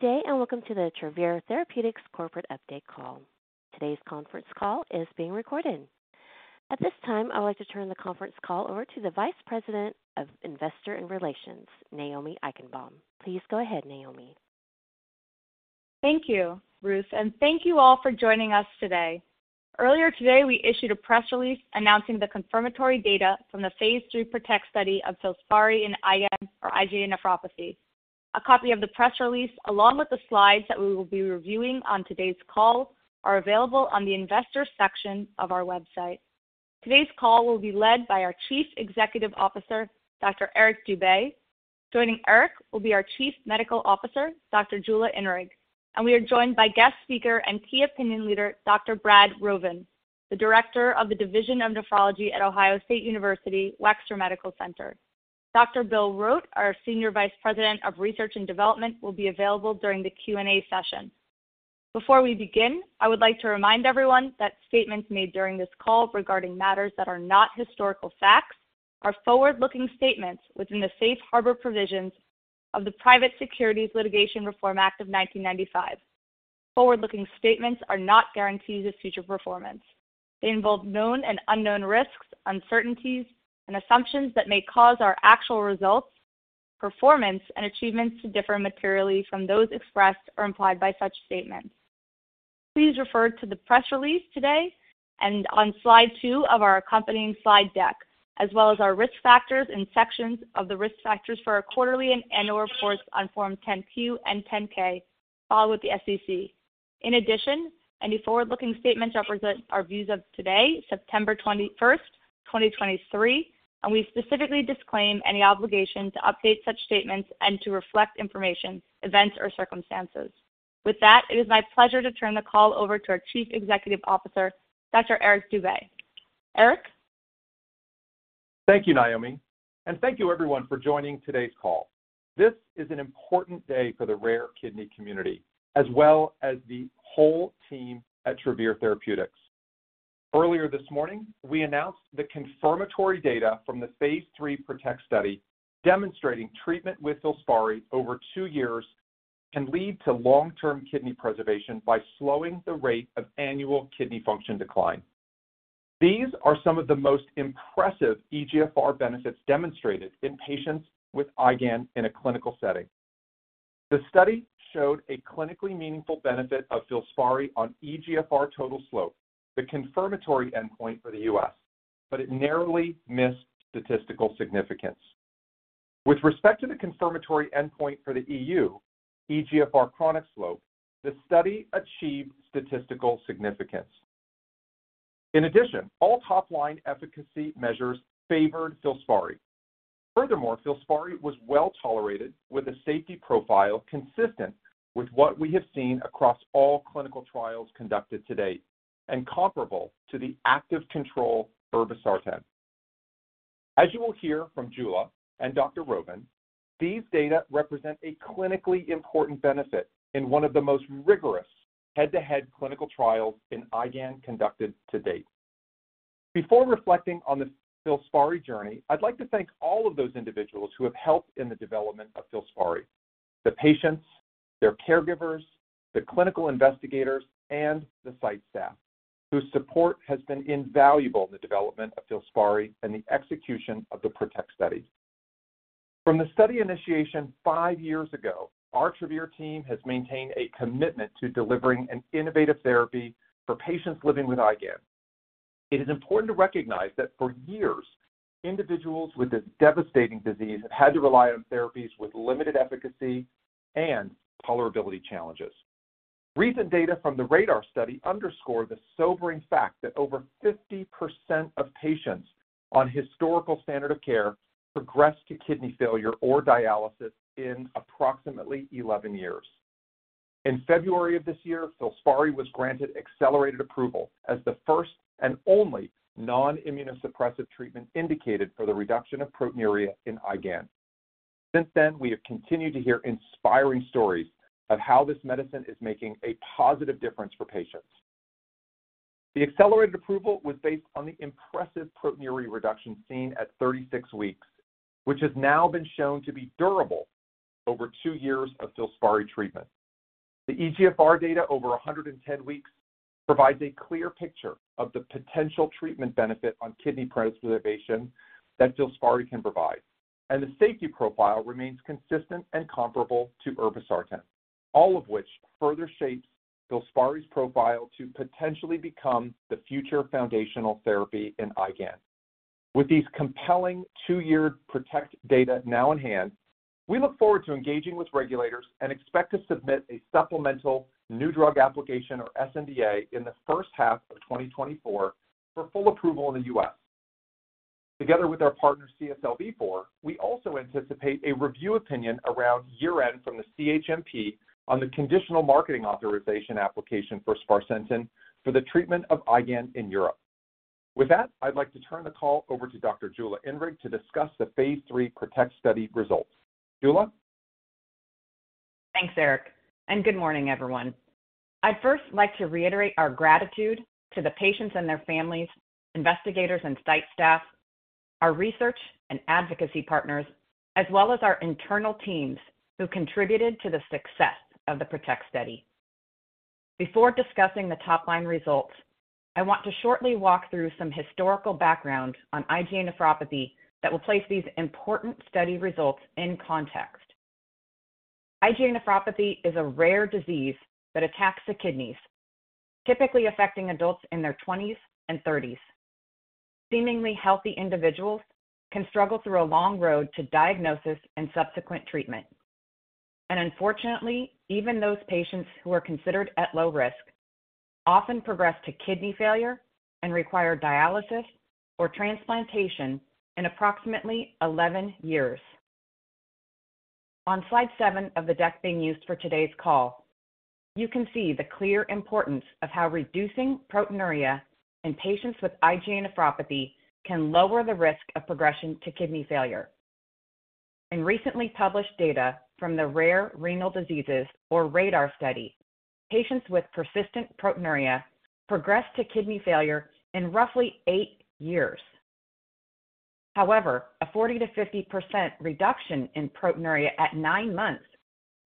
Good day, and welcome to the Travere Therapeutics Corporate Update Call. Today's conference call is being recorded. At this time, I would like to turn the conference call over to the Vice President of Investor Relations, Naomi Eichenbaum. Please go ahead, Naomi. Thank you, Ruth, and thank you all for joining us today. Earlier today, we issued a press release announcing the confirmatory data from the Phase III PROTECT study of FILSPARI in IgA or IgA Nephropathy. A copy of the press release, along with the slides that we will be reviewing on today's call, are available on the investor section of our website. Today's call will be led by our Chief Executive Officer, Dr. Eric Dube. Joining Eric will be our Chief Medical Officer, Dr. Jula Inrig, and we are joined by guest speaker and key opinion leader, Dr. Brad Rovin, the Director of the Division of Nephrology at Ohio State University Wexner Medical Center. Dr. Bill Rote, our Senior Vice President of Research and Development, will be available during the Q&A session. Before we begin, I would like to remind everyone that statements made during this call regarding matters that are not historical facts are forward-looking statements within the Safe Harbor Provisions of the Private Securities Litigation Reform Act of 1995. Forward-looking statements are not guarantees of future performance. They involve known and unknown risks, uncertainties, and assumptions that may cause our actual results, performance, and achievements to differ materially from those expressed or implied by such statements. Please refer to the press release today and on slide two of our accompanying slide deck, as well as our risk factors and sections of the risk factors for our quarterly and annual reports on Form 10-Q and 10-K, filed with the SEC. In addition, any forward-looking statements represent our views of today, September 21st, 2023, and we specifically disclaim any obligation to update such statements and to reflect information, events, or circumstances. With that, it is my pleasure to turn the call over to our Chief Executive Officer, Dr. Eric Dube. Eric? Thank you, Naomi, and thank you, everyone, for joining today's call. This is an important day for the rare kidney community, as well as the whole team at Travere Therapeutics. Earlier this morning, we announced the confirmatory data from the Phase III PROTECT study, demonstrating treatment with FILSPARI over two years can lead to long-term kidney preservation by slowing the rate of annual kidney function decline. These are some of the most impressive eGFR benefits demonstrated in patients with IgA nephropathy in a clinical setting. The study showed a clinically meaningful benefit of FILSPARI on eGFR total slope, the confirmatory endpoint for the U.S., but it narrowly missed statistical significance. With respect to the confirmatory endpoint for the EU, eGFR chronic slope, the study achieved statistical significance. In addition, all top-line efficacy measures favored FILSPARI. Furthermore, FILSPARI was well tolerated, with a safety profile consistent with what we have seen across all clinical trials conducted to date and comparable to the active control, irbesartan. As you will hear from Jula and Dr. Rovin, these data represent a clinically important benefit in one of the most rigorous head-to-head clinical trials in IgAN conducted to date. Before reflecting on this FILSPARI journey, I'd like to thank all of those individuals who have helped in the development of FILSPARI: the patients, their caregivers, the clinical investigators, and the site staff, whose support has been invaluable in the development of FILSPARI and the execution of the PROTECT study. From the study initiation five years ago, our Travere team has maintained a commitment to delivering an innovative therapy for patients living with IgAN. It is important to recognize that for years, individuals with this devastating disease have had to rely on therapies with limited efficacy and tolerability challenges. Recent data from the RaDaR study underscore the sobering fact that over 50% of patients on historical standard of care progress to kidney failure or dialysis in approximately 11 years. In February of this year, FILSPARI was granted accelerated approval as the first and only non-immunosuppressive treatment indicated for the reduction of proteinuria in IgAN. Since then, we have continued to hear inspiring stories of how this medicine is making a positive difference for patients. The accelerated approval was based on the impressive proteinuria reduction seen at 36 weeks, which has now been shown to be durable over two years of FILSPARI treatment. The eGFR data over 110 weeks provides a clear picture of the potential treatment benefit on kidney preservation that FILSPARI can provide, and the safety profile remains consistent and comparable to irbesartan, all of which further shapes FILSPARI's profile to potentially become the future foundational therapy in IgAN. With these compelling two-year PROTECT data now in hand, we look forward to engaging with regulators and expect to submit a supplemental New Drug Application, or sNDA, in the first half of 2024 for full approval in the U.S. Together with our partner, CSL Behring, we also anticipate a review opinion around year-end from the CHMP on the conditional marketing authorization application for sparsentan for the treatment of IgAN in Europe. With that, I'd like to turn the call over to Dr. Jula Inrig to discuss the Phase III PROTECT study results. Jula? Thanks, Eric, and good morning, everyone. I'd first like to reiterate our gratitude to the patients and their families, investigators, and site staff. Our research and advocacy partners, as well as our internal teams who contributed to the success of the PROTECT study. Before discussing the top-line results, I want to shortly walk through some historical background on IgA nephropathy that will place these important study results in context. IgA nephropathy is a rare disease that attacks the kidneys, typically affecting adults in their 20s and 30s. Seemingly healthy individuals can struggle through a long road to diagnosis and subsequent treatment. Unfortunately, even those patients who are considered at low risk often progress to kidney failure and require dialysis or transplantation in approximately 11 years. On slide seven of the deck being used for today's call, you can see the clear importance of how reducing proteinuria in patients with IgA nephropathy can lower the risk of progression to kidney failure. In recently published data from the Rare Renal Diseases, or RaDaR study, patients with persistent proteinuria progressed to kidney failure in roughly eight years. However, a 40%-50% reduction in proteinuria at nine months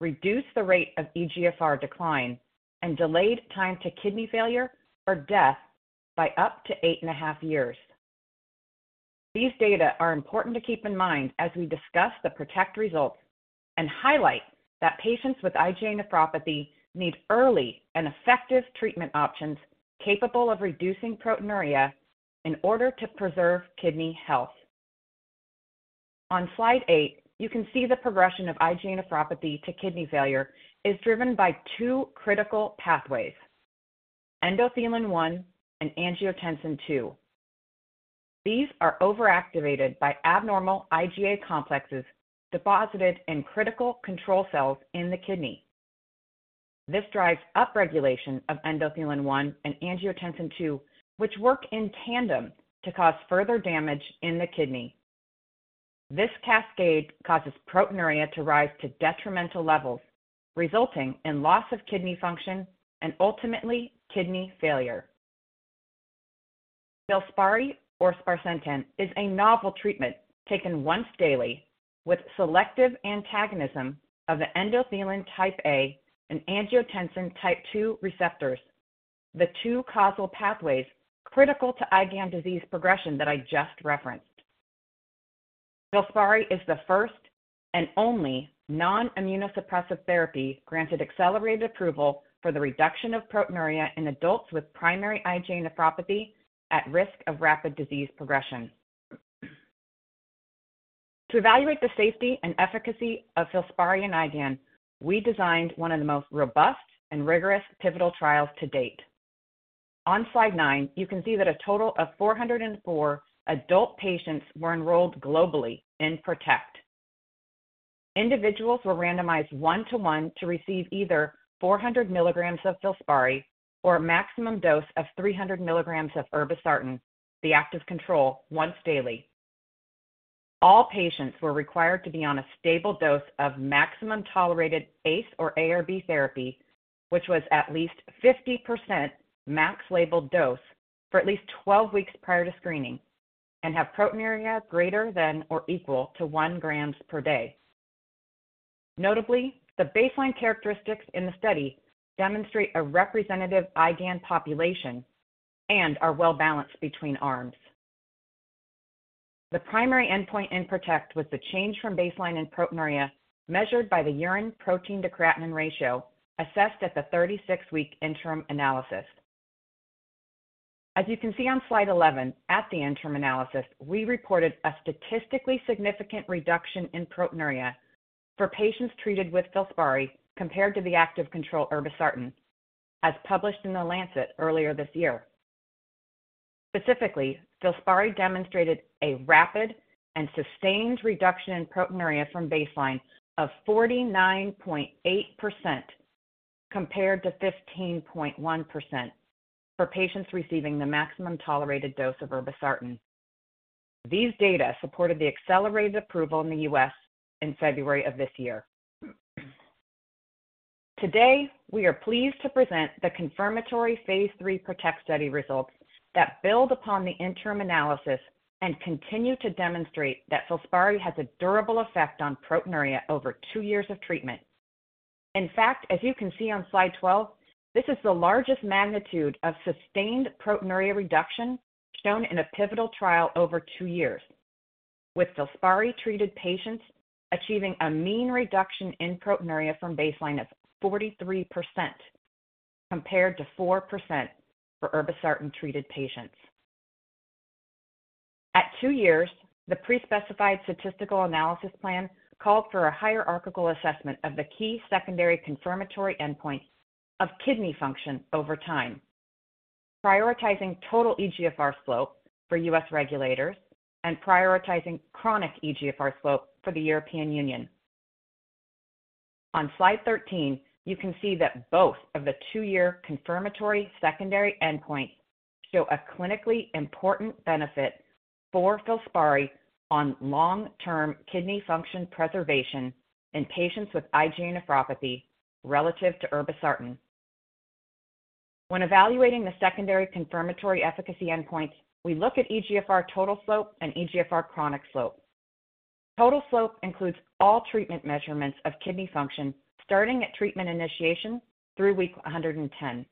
reduced the rate of eGFR decline and delayed time to kidney failure or death by up to 8.5 years. These data are important to keep in mind as we discuss the PROTECT results and highlight that patients with IgA nephropathy need early and effective treatment options capable of reducing proteinuria in order to preserve kidney health. On slide eight, you can see the progression of IgA nephropathy to kidney failure is driven by two critical pathways: endothelin-1 and angiotensin II. These are overactivated by abnormal IgA complexes deposited in critical control cells in the kidney. This drives upregulation of endothelin-1 and angiotensin II, which work in tandem to cause further damage in the kidney. This cascade causes proteinuria to rise to detrimental levels, resulting in loss of kidney function and ultimately kidney failure. FILSPARI, or sparsentan, is a novel treatment taken once daily with selective antagonism of the endothelin type A and angiotensin type 2 receptors, the two causal pathways critical to IgAN disease progression that I just referenced. FILSPARI is the first and only non-immunosuppressive therapy granted accelerated approval for the reduction of proteinuria in adults with primary IgA nephropathy at risk of rapid disease progression. To evaluate the safety and efficacy of FILSPARI in IgAN, we designed one of the most robust and rigorous pivotal trials to date. On slide nine, you can see that a total of 404 adult patients were enrolled globally in PROTECT. Individuals were randomized 1:1 to receive either 400 mg of FILSPARI or a maximum dose of 300 mg of irbesartan, the active control, once daily. All patients were required to be on a stable dose of maximum tolerated ACE or ARB therapy, which was at least 50% max labeled dose for at least 12 weeks prior to screening and have proteinuria greater than or equal to 1 g/day. Notably, the baseline characteristics in the study demonstrate a representative IgAN population and are well-balanced between arms. The primary endpoint in PROTECT was the change from baseline in proteinuria, measured by the urine protein-to-creatinine ratio, assessed at the 36-week interim analysis. As you can see on slide 11, at the interim analysis, we reported a statistically significant reduction in proteinuria for patients treated with FILSPARI compared to the active control irbesartan, as published in The Lancet earlier this year. Specifically, FILSPARI demonstrated a rapid and sustained reduction in proteinuria from baseline of 49.8%, compared to 15.1% for patients receiving the maximum tolerated dose of irbesartan. These data supported the accelerated approval in the U.S. in February of this year. Today, we are pleased to present the confirmatory Phase III PROTECT study results that build upon the interim analysis and continue to demonstrate that FILSPARI has a durable effect on proteinuria over two years of treatment. In fact, as you can see on slide 12, this is the largest magnitude of sustained proteinuria reduction shown in a pivotal trial over two years, with FILSPARI-treated patients achieving a mean reduction in proteinuria from baseline of 43%, compared to 4% for irbesartan-treated patients. At two years, the pre-specified statistical analysis plan called for a hierarchical assessment of the key secondary confirmatory endpoint of kidney function over time, prioritizing total eGFR slope for U.S. regulators and prioritizing chronic eGFR slope for the European Union. On slide 13, you can see that both of the two-year confirmatory secondary endpoints show a clinically important benefit for FILSPARI on long-term kidney function preservation in patients with IgA nephropathy relative to irbesartan. When evaluating the secondary confirmatory efficacy endpoints, we look at eGFR total slope and eGFR chronic slope. Total slope includes all treatment measurements of kidney function, starting at treatment initiation through week 110.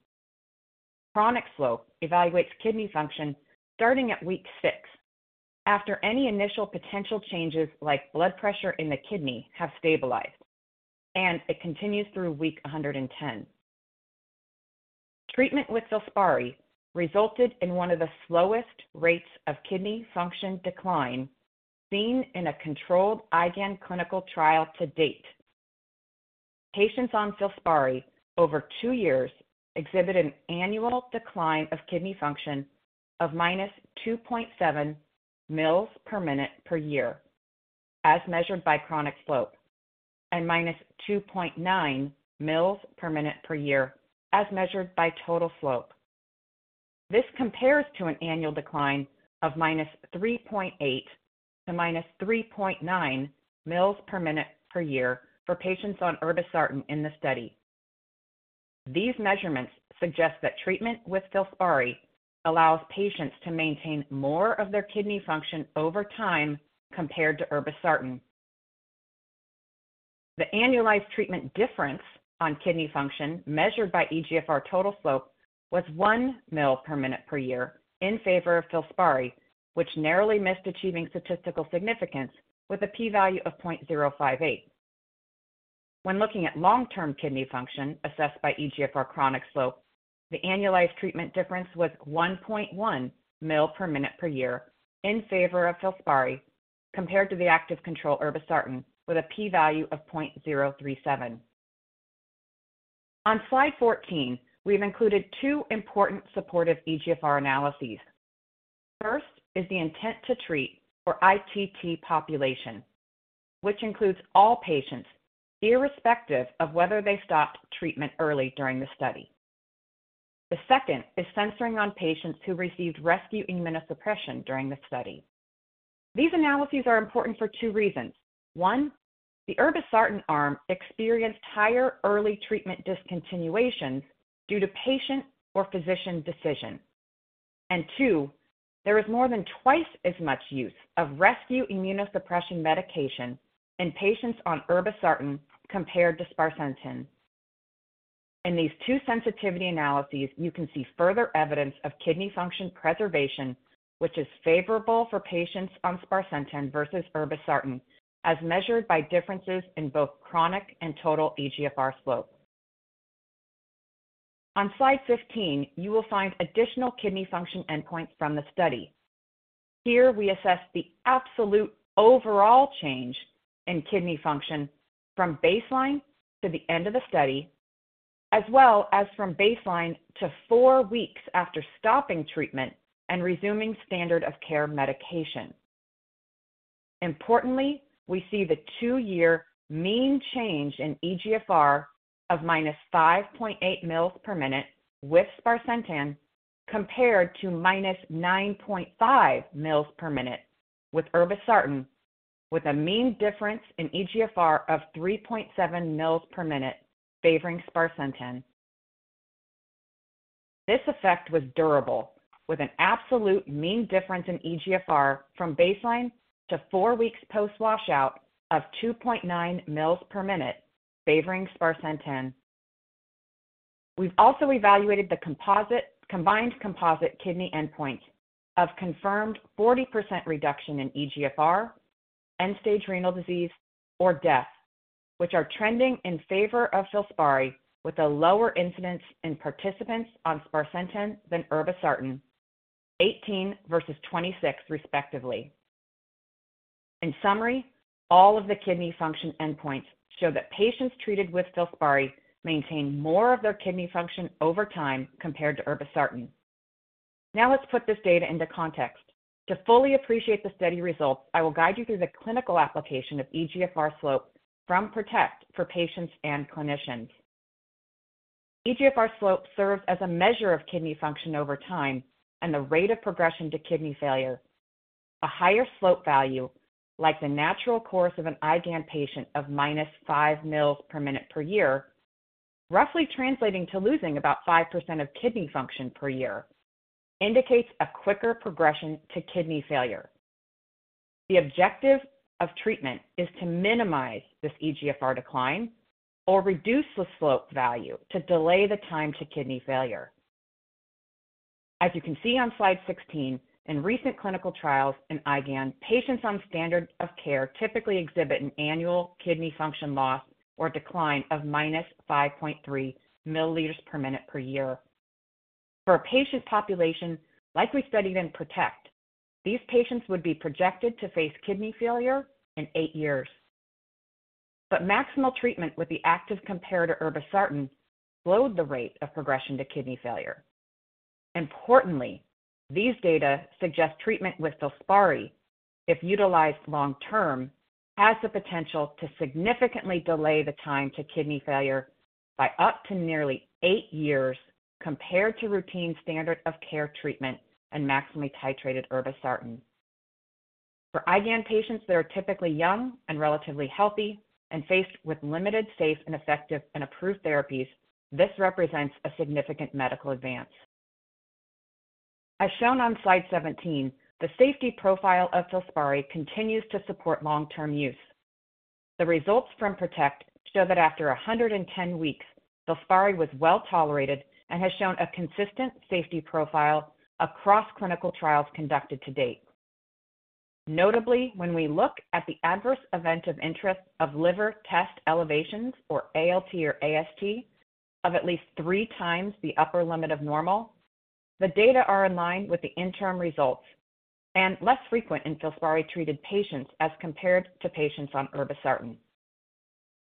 Chronic slope evaluates kidney function starting at week six, after any initial potential changes like blood pressure in the kidney have stabilized, and it continues through week 110. Treatment with FILSPARI resulted in one of the slowest rates of kidney function decline seen in a controlled IgA nephropathy clinical trial to date. Patients on FILSPARI over two years exhibit an annual decline of kidney function of -2.7 mL per minute per year, as measured by chronic slope, and -2.9 mL per minute per year, as measured by total slope. This compares to an annual decline of -3.8 to -3.9 mL per minute per year for patients on irbesartan in the study. These measurements suggest that treatment with FILSPARI allows patients to maintain more of their kidney function over time compared to Irbesartan. The annualized treatment difference on kidney function, measured by eGFR total slope, was 1 mL/min/year in favor of FILSPARI, which narrowly missed achieving statistical significance with a p-value of 0.058. When looking at long-term kidney function assessed by eGFR chronic slope, the annualized treatment difference was 1.1 mL/min/year in favor of FILSPARI compared to the active control Irbesartan with a p-value of 0.037. On slide 14, we've included two important supportive eGFR analyses. First is the intent-to-treat (ITT) population, which includes all patients, irrespective of whether they stopped treatment early during the study. The second is censoring on patients who received rescue immunosuppression during the study. These analyses are important for two reasons. One, the Irbesartan arm experienced higher early treatment discontinuation due to patient or physician decision. Two, there is more than twice as much use of rescue immunosuppression medication in patients on irbesartan compared to sparsentan. In these two sensitivity analyses, you can see further evidence of kidney function preservation, which is favorable for patients on sparsentan versus irbesartan, as measured by differences in both chronic and total eGFR slope. On slide 15, you will find additional kidney function endpoints from the study. Here, we assess the absolute overall change in kidney function from baseline to the end of the study, as well as from baseline to four weeks after stopping treatment and resuming standard of care medication. Importantly, we see the two-year mean change in eGFR of -5.8 mL per minute with sparsentan, compared to -9.5 mL per minute with irbesartan, with a mean difference in eGFR of 3.7 mL per minute favoring sparsentan. This effect was durable, with an absolute mean difference in eGFR from baseline to four weeks post washout of 2.9 mL per minute, favoring sparsentan. We've also evaluated the combined composite kidney endpoint of confirmed 40% reduction in eGFR, end-stage renal disease, or death, which are trending in favor of FILSPARI, with a lower incidence in participants on sparsentan than irbesartan, 18 versus 26, respectively. In summary, all of the kidney function endpoints show that patients treated with FILSPARI maintained more of their kidney function over time compared to irbesartan. Now, let's put this data into context. To fully appreciate the study results, I will guide you through the clinical application of eGFR slope from PROTECT for patients and clinicians. eGFR slope serves as a measure of kidney function over time and the rate of progression to kidney failure. A higher slope value, like the natural course of an IgAN patient of -5 mL/min/year, roughly translating to losing about 5% of kidney function per year, indicates a quicker progression to kidney failure. The objective of treatment is to minimize this eGFR decline or reduce the slope value to delay the time to kidney failure. As you can see on slide 16, in recent clinical trials in IgAN, patients on standard of care typically exhibit an annual kidney function loss or decline of -5.3 mL/min/year. For a patient population like we studied in PROTECT, these patients would be projected to face kidney failure in eight years. But maximal treatment with the active comparator, irbesartan, slowed the rate of progression to kidney failure. Importantly, these data suggest treatment with FILSPARI, if utilized long-term, has the potential to significantly delay the time to kidney failure by up to nearly eight years compared to routine standard of care treatment and maximally titrated irbesartan. For IgAN patients that are typically young and relatively healthy and faced with limited, safe, and effective, and approved therapies, this represents a significant medical advance. As shown on slide 17, the safety profile of FILSPARI continues to support long-term use. The results from PROTECT show that after 110 weeks, FILSPARI was well tolerated and has shown a consistent safety profile across clinical trials conducted to date. Notably, when we look at the adverse event of interest of liver test elevations, or ALT or AST, of at least 3x the upper limit of normal, the data are in line with the interim results and less frequent in FILSPARI-treated patients as compared to patients on irbesartan.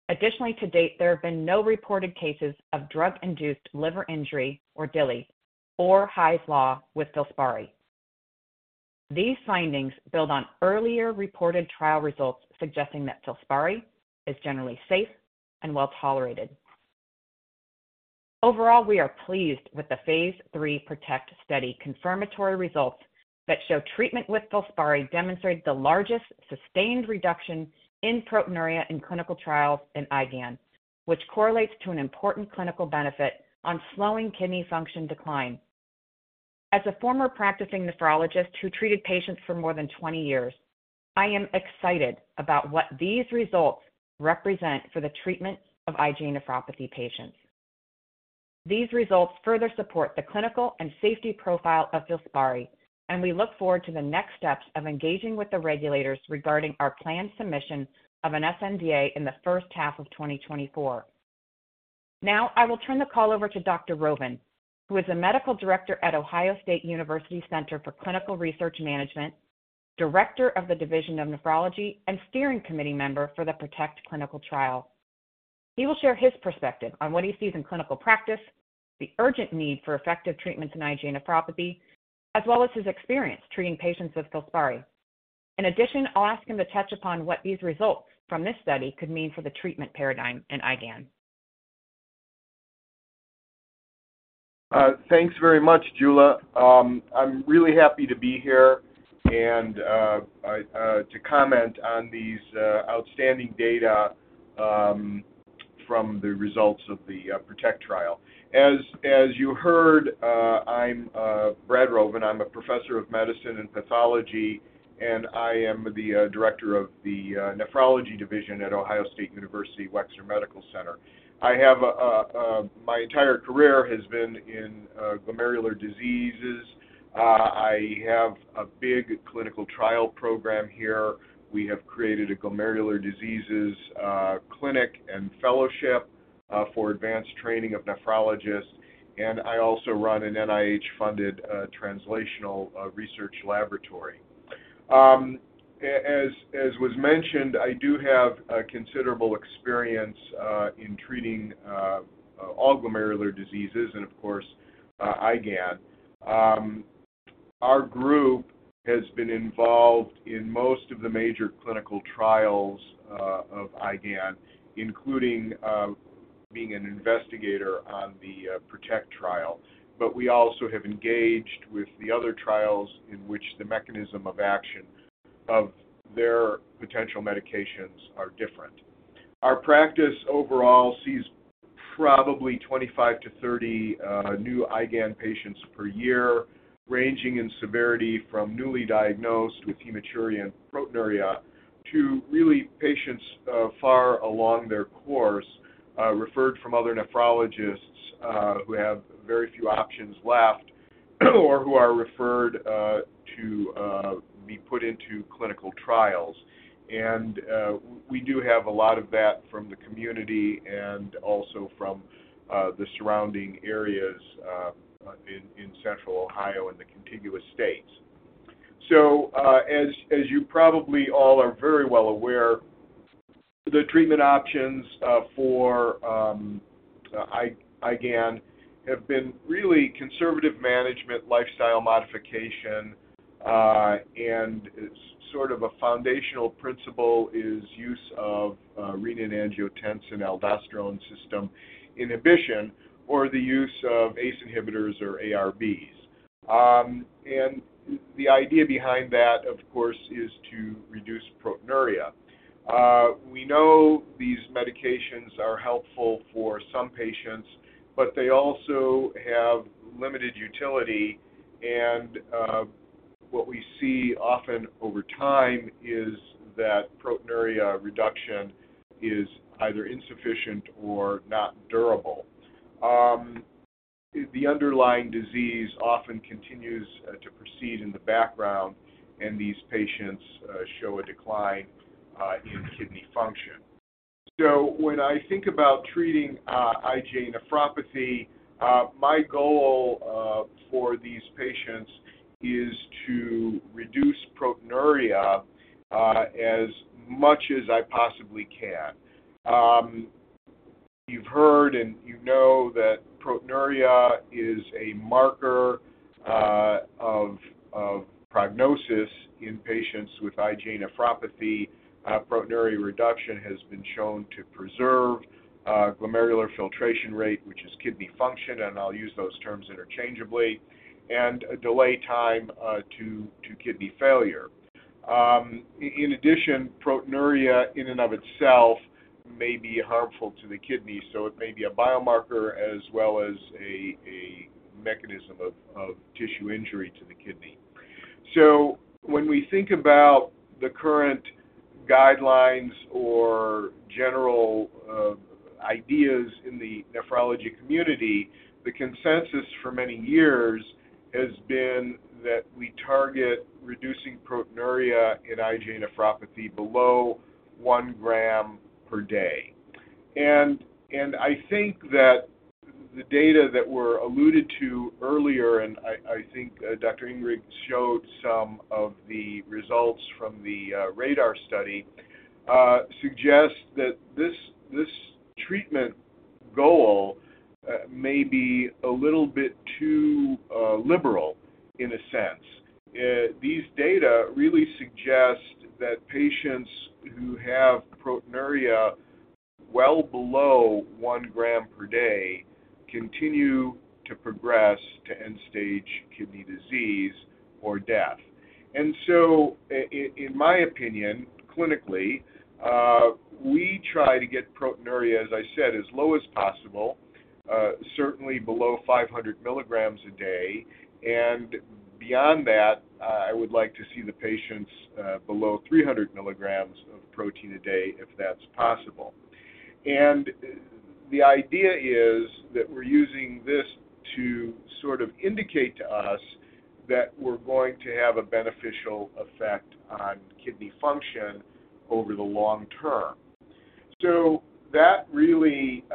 Additionally, to date, there have been no reported cases of drug-induced liver injury, or DILI, or Hy's Law with FILSPARI. These findings build on earlier reported trial results, suggesting that FILSPARI is generally safe and well tolerated. Overall, we are pleased with the Phase III PROTECT study confirmatory results that show treatment with FILSPARI demonstrated the largest sustained reduction in proteinuria in clinical trials in IgA nephropathy, which correlates to an important clinical benefit on slowing kidney function decline. As a former practicing nephrologist who treated patients for more than 20 years, I am excited about what these results represent for the treatment of IgA nephropathy patients. These results further support the clinical and safety profile of FILSPARI, and we look forward to the next steps of engaging with the regulators regarding our planned submission of an sNDA in the first half of 2024. Now, I will turn the call over to Dr. Rovin, who is Director of the Division of Nephrology at Ohio State University Wexner Medical Center, and steering committee member for the PROTECT Clinical Trial. He will share his perspective on what he sees in clinical practice, the urgent need for effective treatments in IgA nephropathy, as well as his experience treating patients with FILSPARI. In addition, I'll ask him to touch upon what these results from this study could mean for the treatment paradigm in IgAN. Thanks very much, Jula. I'm really happy to be here and to comment on these outstanding data from the results of the PROTECT trial. As you heard, I'm Brad Rovin. I'm a professor of medicine and pathology, and I am the director of the Nephrology Division at Ohio State University Wexner Medical Center. My entire career has been in glomerular diseases. I have a big clinical trial program here. We have created a glomerular diseases clinic and fellowship for advanced training of nephrologists, and I also run an NIH-funded translational research laboratory. As was mentioned, I do have a considerable experience in treating all glomerular diseases and of course, IgAN. Our group has been involved in most of the major clinical trials of IgAN, including being an investigator on the PROTECT trial. But we also have engaged with the other trials in which the mechanism of action of their potential medications are different. Our practice overall sees probably 25-30 new IgAN patients per year, ranging in severity from newly diagnosed with hematuria and proteinuria, to really patients far along their course, referred from other nephrologists who have very few options left or who are referred to be put into clinical trials. We do have a lot of that from the community and also from the surrounding areas in Central Ohio and the contiguous states. As you probably all are very well aware, the treatment options for IgAN have been really conservative management, lifestyle modification, and it's sort of a foundational principle is use of Renin-Angiotensin-Aldosterone System inhibition or the use of ACE inhibitors or ARBs. And the idea behind that, of course, is to reduce proteinuria. We know these medications are helpful for some patients, but they also have limited utility. And what we see often over time is that proteinuria reduction is either insufficient or not durable. The underlying disease often continues to proceed in the background, and these patients show a decline in kidney function. So when I think about treating IgA nephropathy, my goal for these patients is to reduce proteinuria as much as I possibly can. You've heard and you know that proteinuria is a marker, of, of prognosis in patients with IgA nephropathy. Proteinuria reduction has been shown to preserve, glomerular filtration rate, which is kidney function, and I'll use those terms interchangeably, and delay time, to, to kidney failure. In addition, proteinuria, in and of itself may be harmful to the kidneys, so it may be a biomarker as well as a, a mechanism of, of tissue injury to the kidney. When we think about the current guidelines or general, ideas in the nephrology community, the consensus for many years has been that we target reducing proteinuria in IgA nephropathy below 1g per day. I think that the data that were alluded to earlier, and I, I think, Dr. Inrig showed some of the results from the RaDaR study, suggests that this, this treatment goal may be a little bit too liberal in a sense. These data really suggest that patients who have proteinuria well below 1g per day continue to progress to end-stage kidney disease or death. And so in my opinion, clinically, we try to get proteinuria, as I said, as low as possible, certainly below 500mg a day, and beyond that, I would like to see the patients below 300mg of protein a day, if that's possible. And the idea is that we're using this to sort of indicate to us that we're going to have a beneficial effect on kidney function over the long term. So that really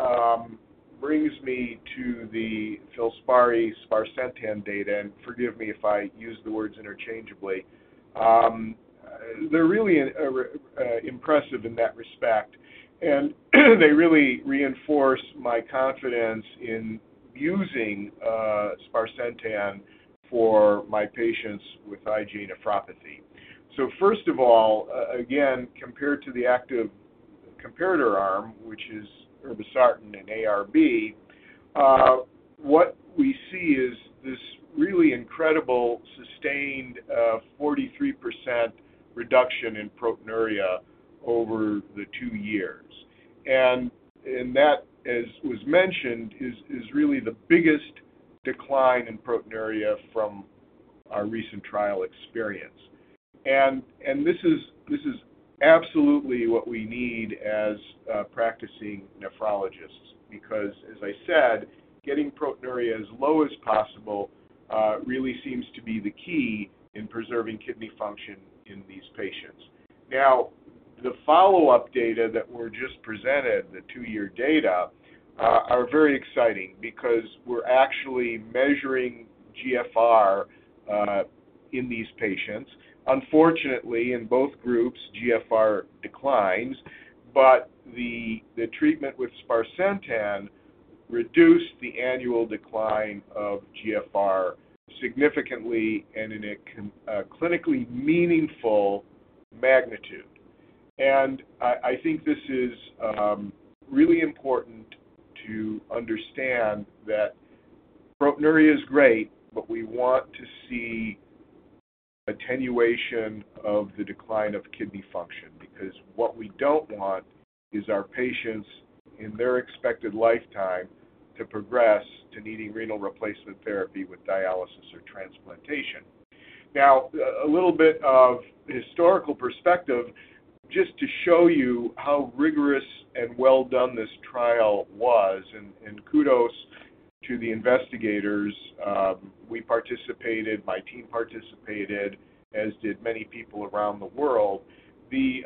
brings me to the FILSPARI sparsentan data, and forgive me if I use the words interchangeably. They're really impressive in that respect, and they really reinforce my confidence in using sparsentan for my patients with IgA nephropathy. So first of all, again, compared to the active comparator arm, which is irbesartan and ARB, what we see is this really incredible sustained 43% reduction in proteinuria over the two years. And that, as was mentioned, is really the biggest decline in proteinuria from our recent trial experience. And this is absolutely what we need as practicing nephrologists because, as I said, getting proteinuria as low as possible really seems to be the key in preserving kidney function in these patients. Now, the follow-up data that were just presented, the two-year data, are very exciting because we're actually measuring GFR in these patients. Unfortunately, in both groups, GFR declines, but the treatment with sparsentan reduced the annual decline of GFR significantly and in a clinically meaningful magnitude. I think this is really important to understand that proteinuria is great, but we want to see attenuation of the decline of kidney function, because what we don't want is our patients, in their expected lifetime, to progress to needing renal replacement therapy with dialysis or transplantation. Now, a little bit of historical perspective, just to show you how rigorous and well done this trial was, kudos to the investigators. We participated, my team participated, as did many people around the world. The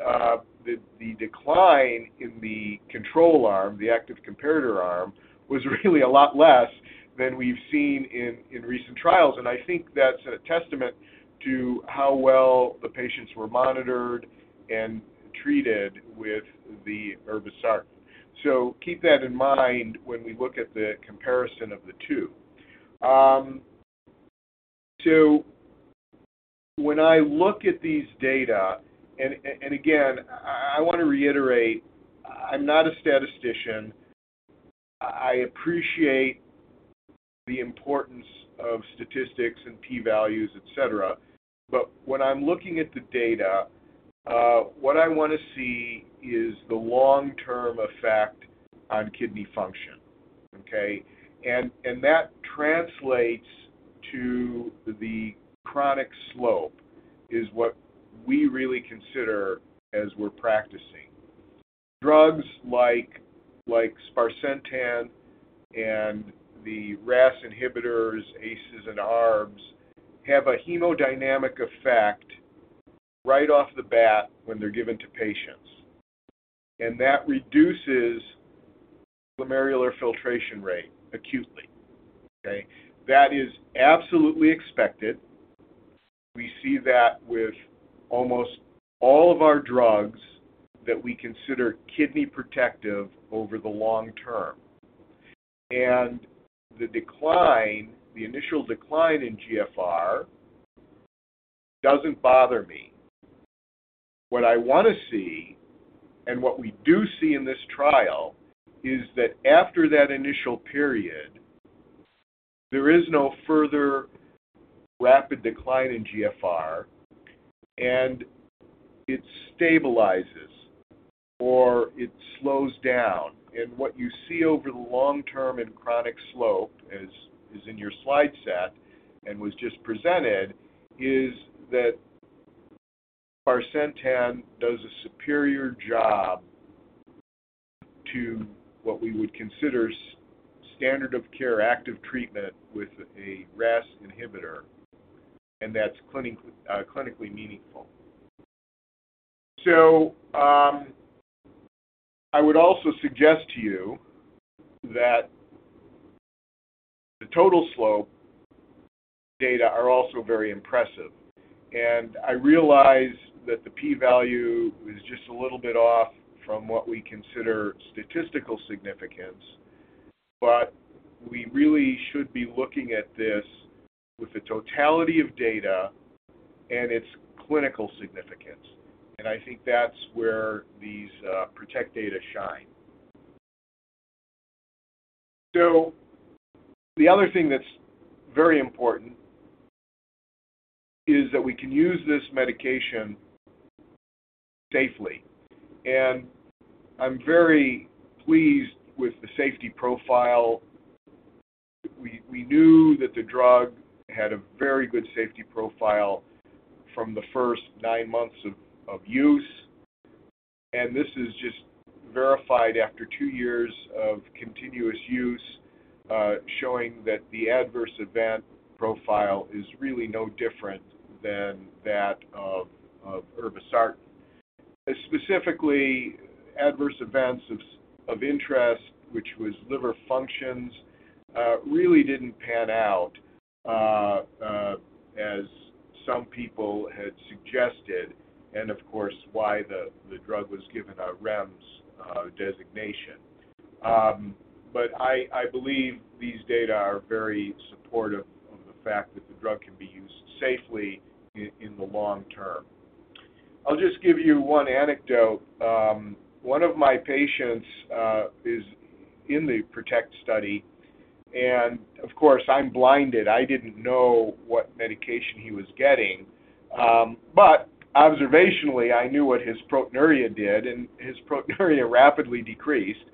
decline in the control arm, the active comparator arm, was really a lot less than we've seen in recent trials, and I think that's a testament to how well the patients were monitored and treated with the Irbesartan. So keep that in mind when we look at the comparison of the two. So when I look at these data... And again, I want to reiterate, I'm not a statistician. I appreciate the importance of statistics and p-values, et cetera, but when I'm looking at the data, what I want to see is the long-term effect on kidney function, okay? And that translates to the chronic slope, is what we really consider as we're practicing. Drugs like sparsentan and the RAS inhibitors, ACEs and ARBs, have a hemodynamic effect right off the bat when they're given to patients, and that reduces glomerular filtration rate acutely, okay? That is absolutely expected. We see that with almost all of our drugs that we consider kidney protective over the long term. And the decline, the initial decline in GFR, doesn't bother me. What I want to see, and what we do see in this trial, is that after that initial period, there is no further rapid decline in GFR, and it stabilizes or it slows down. And what you see over the long term in chronic slope, as is in your slide set and was just presented, is that sparsentan does a superior job to what we would consider standard-of-care active treatment with a RAS inhibitor, and that's clinically meaningful. I would also suggest to you that the total slope data are also very impressive. I realize that the p-value is just a little bit off from what we consider statistical significance, but we really should be looking at this with the totality of data and its clinical significance. I think that's where these protect data shine. The other thing that's very important is that we can use this medication safely, and I'm very pleased with the safety profile. We knew that the drug had a very good safety profile from the first nine months of use, and this is just verified after two years of continuous use, showing that the adverse event profile is really no different than that of irbesartan. Specifically, adverse events of interest, which was liver functions, really didn't pan out, as some people had suggested, and of course, why the drug was given a REMS designation. I believe these data are very supportive of the fact that the drug can be used safely in the long term. I'll just give you one anecdote. One of my patients is in the PROTECT study, and of course, I'm blinded. I didn't know what medication he was getting. Observationally, I knew what his proteinuria did, and his proteinuria rapidly decreased.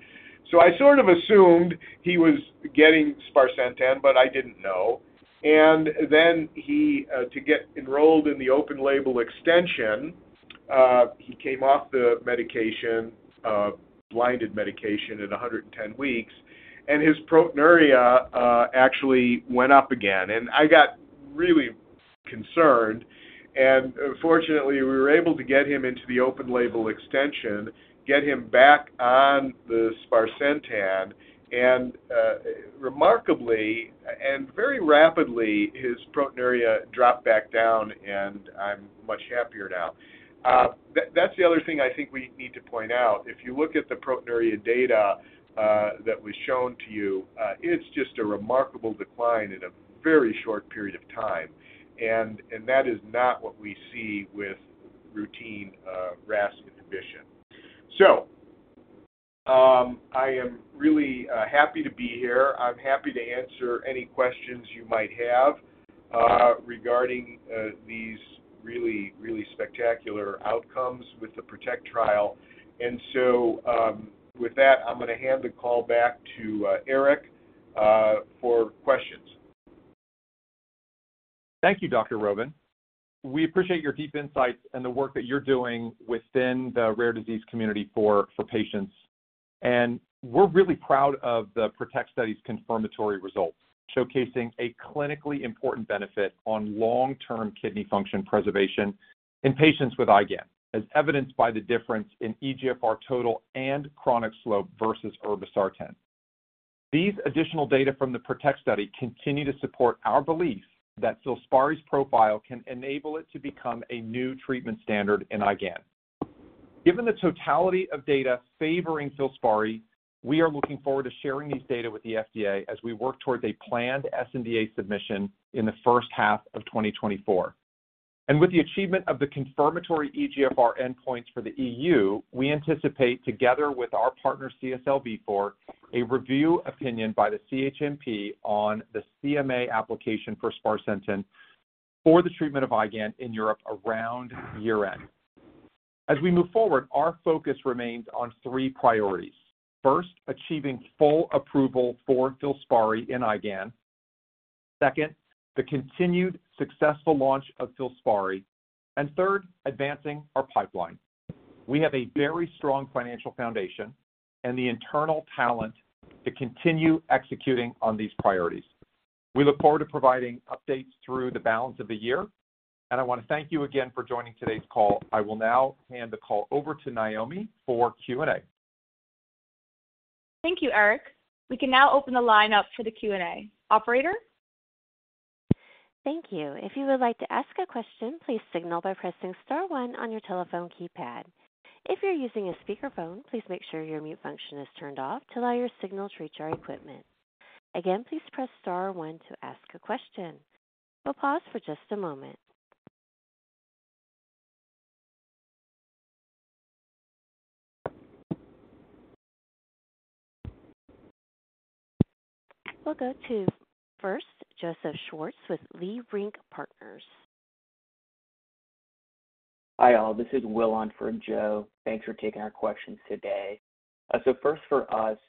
I sort of assumed he was getting sparsentan, but I didn't know. And then he to get enrolled in the open-label extension, he came off the medication, blinded medication at 110 weeks, and his proteinuria actually went up again, and I got really concerned. And fortunately, we were able to get him into the open-label extension, get him back on the sparsentan, and remarkably and very rapidly, his proteinuria dropped back down, and I'm much happier now. That's the other thing I think we need to point out. If you look at the proteinuria data that was shown to you, it's just a remarkable decline in a very short period of time, and that is not what we see with routine RAS inhibition. So, I am really happy to be here. I'm happy to answer any questions you might have regarding these really, really spectacular outcomes with the PROTECT trial. And so, with that, I'm gonna hand the call back to Eric for questions. Thank you, Dr. Rovin. We appreciate your deep insights and the work that you're doing within the rare disease community for patients. And we're really proud of the PROTECT study's confirmatory results, showcasing a clinically important benefit on long-term kidney function preservation in patients with IgAN, as evidenced by the difference in eGFR total and chronic slope versus irbesartan. These additional data from the PROTECT study continue to support our belief that FILSPARI's profile can enable it to become a new treatment standard in IgAN. Given the totality of data favoring FILSPARI, we are looking forward to sharing these data with the FDA as we work toward a planned sNDA submission in the first half of 2024. With the achievement of the confirmatory eGFR endpoints for the EU, we anticipate, together with our partner, CSL Vifor, a review opinion by the CHMP on the CMA application for sparsentan for the treatment of IgAN in Europe around year-end. As we move forward, our focus remains on three priorities. First, achieving full approval for FILSPARI in IgAN. Second, the continued successful launch of FILSPARI. And third, advancing our pipeline. We have a very strong financial foundation and the internal talent to continue executing on these priorities. We look forward to providing updates through the balance of the year, and I want to thank you again for joining today's call. I will now hand the call over to Naomi for Q&A. Thank you, Eric. We can now open the line up for the Q&A. Operator? Thank you. If you would like to ask a question, please signal by pressing star one on your telephone keypad. If you're using a speakerphone, please make sure your mute function is turned off to allow your signal to reach our equipment. Again, please press star one to ask a question. We'll pause for just a moment. We'll go first to Joseph Schwartz with Leerink Partners. Hi, all. This is Will on for Joe. Thanks for taking our questions today. So first for us,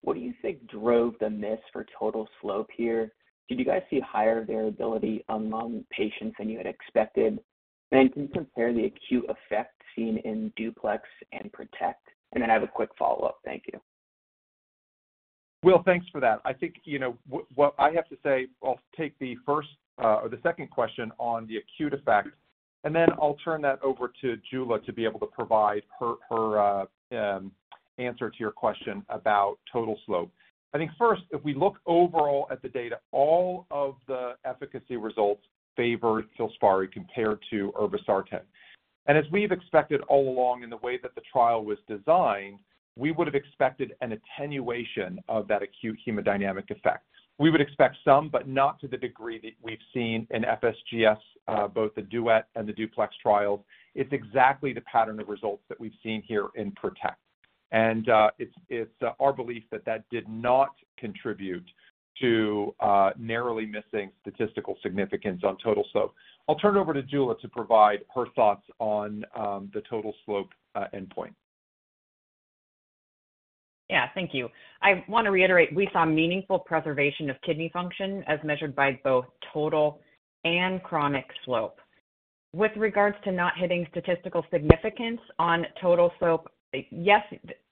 what do you think drove the miss for total slope here? Did you guys see higher variability among patients than you had expected? And can you compare the acute effect seen in DUPLEX and PROTECT? And then I have a quick follow-up. Thank you. Will, thanks for that. I think, you know, what I have to say, I'll take the first or the second question on the acute effect, and then I'll turn that over to Jula to be able to provide her answer to your question about total slope. I think first, if we look overall at the data, all of the efficacy results favored FILSPARI compared to irbesartan. As we've expected all along in the way that the trial was designed, we would have expected an attenuation of that acute hemodynamic effect. We would expect some, but not to the degree that we've seen in FSGS, both the DUET and the DUPLEX trials. It's exactly the pattern of results that we've seen here in PROTECT. It's our belief that that did not contribute to narrowly missing statistical significance on total slope. I'll turn it over to Jula to provide her thoughts on the total slope endpoint. Yeah, thank you. I want to reiterate, we saw meaningful preservation of kidney function as measured by both total and chronic slope. With regards to not hitting statistical significance on total slope, yes,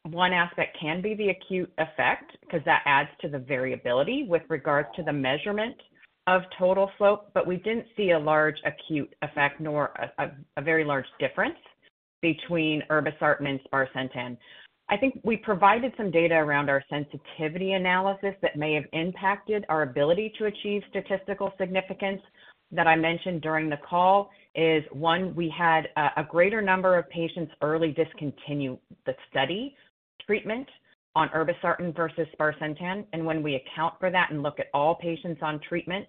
one aspect can be the acute effect, 'cause that adds to the variability with regards to the measurement of total slope, but we didn't see a large acute effect, nor a very large difference between Irbesartan and sparsentan. I think we provided some data around our sensitivity analysis that may have impacted our ability to achieve statistical significance that I mentioned during the call is, one, we had a greater number of patients early discontinue the study treatment on Irbesartan versus sparsentan, and when we account for that and look at all patients on treatment,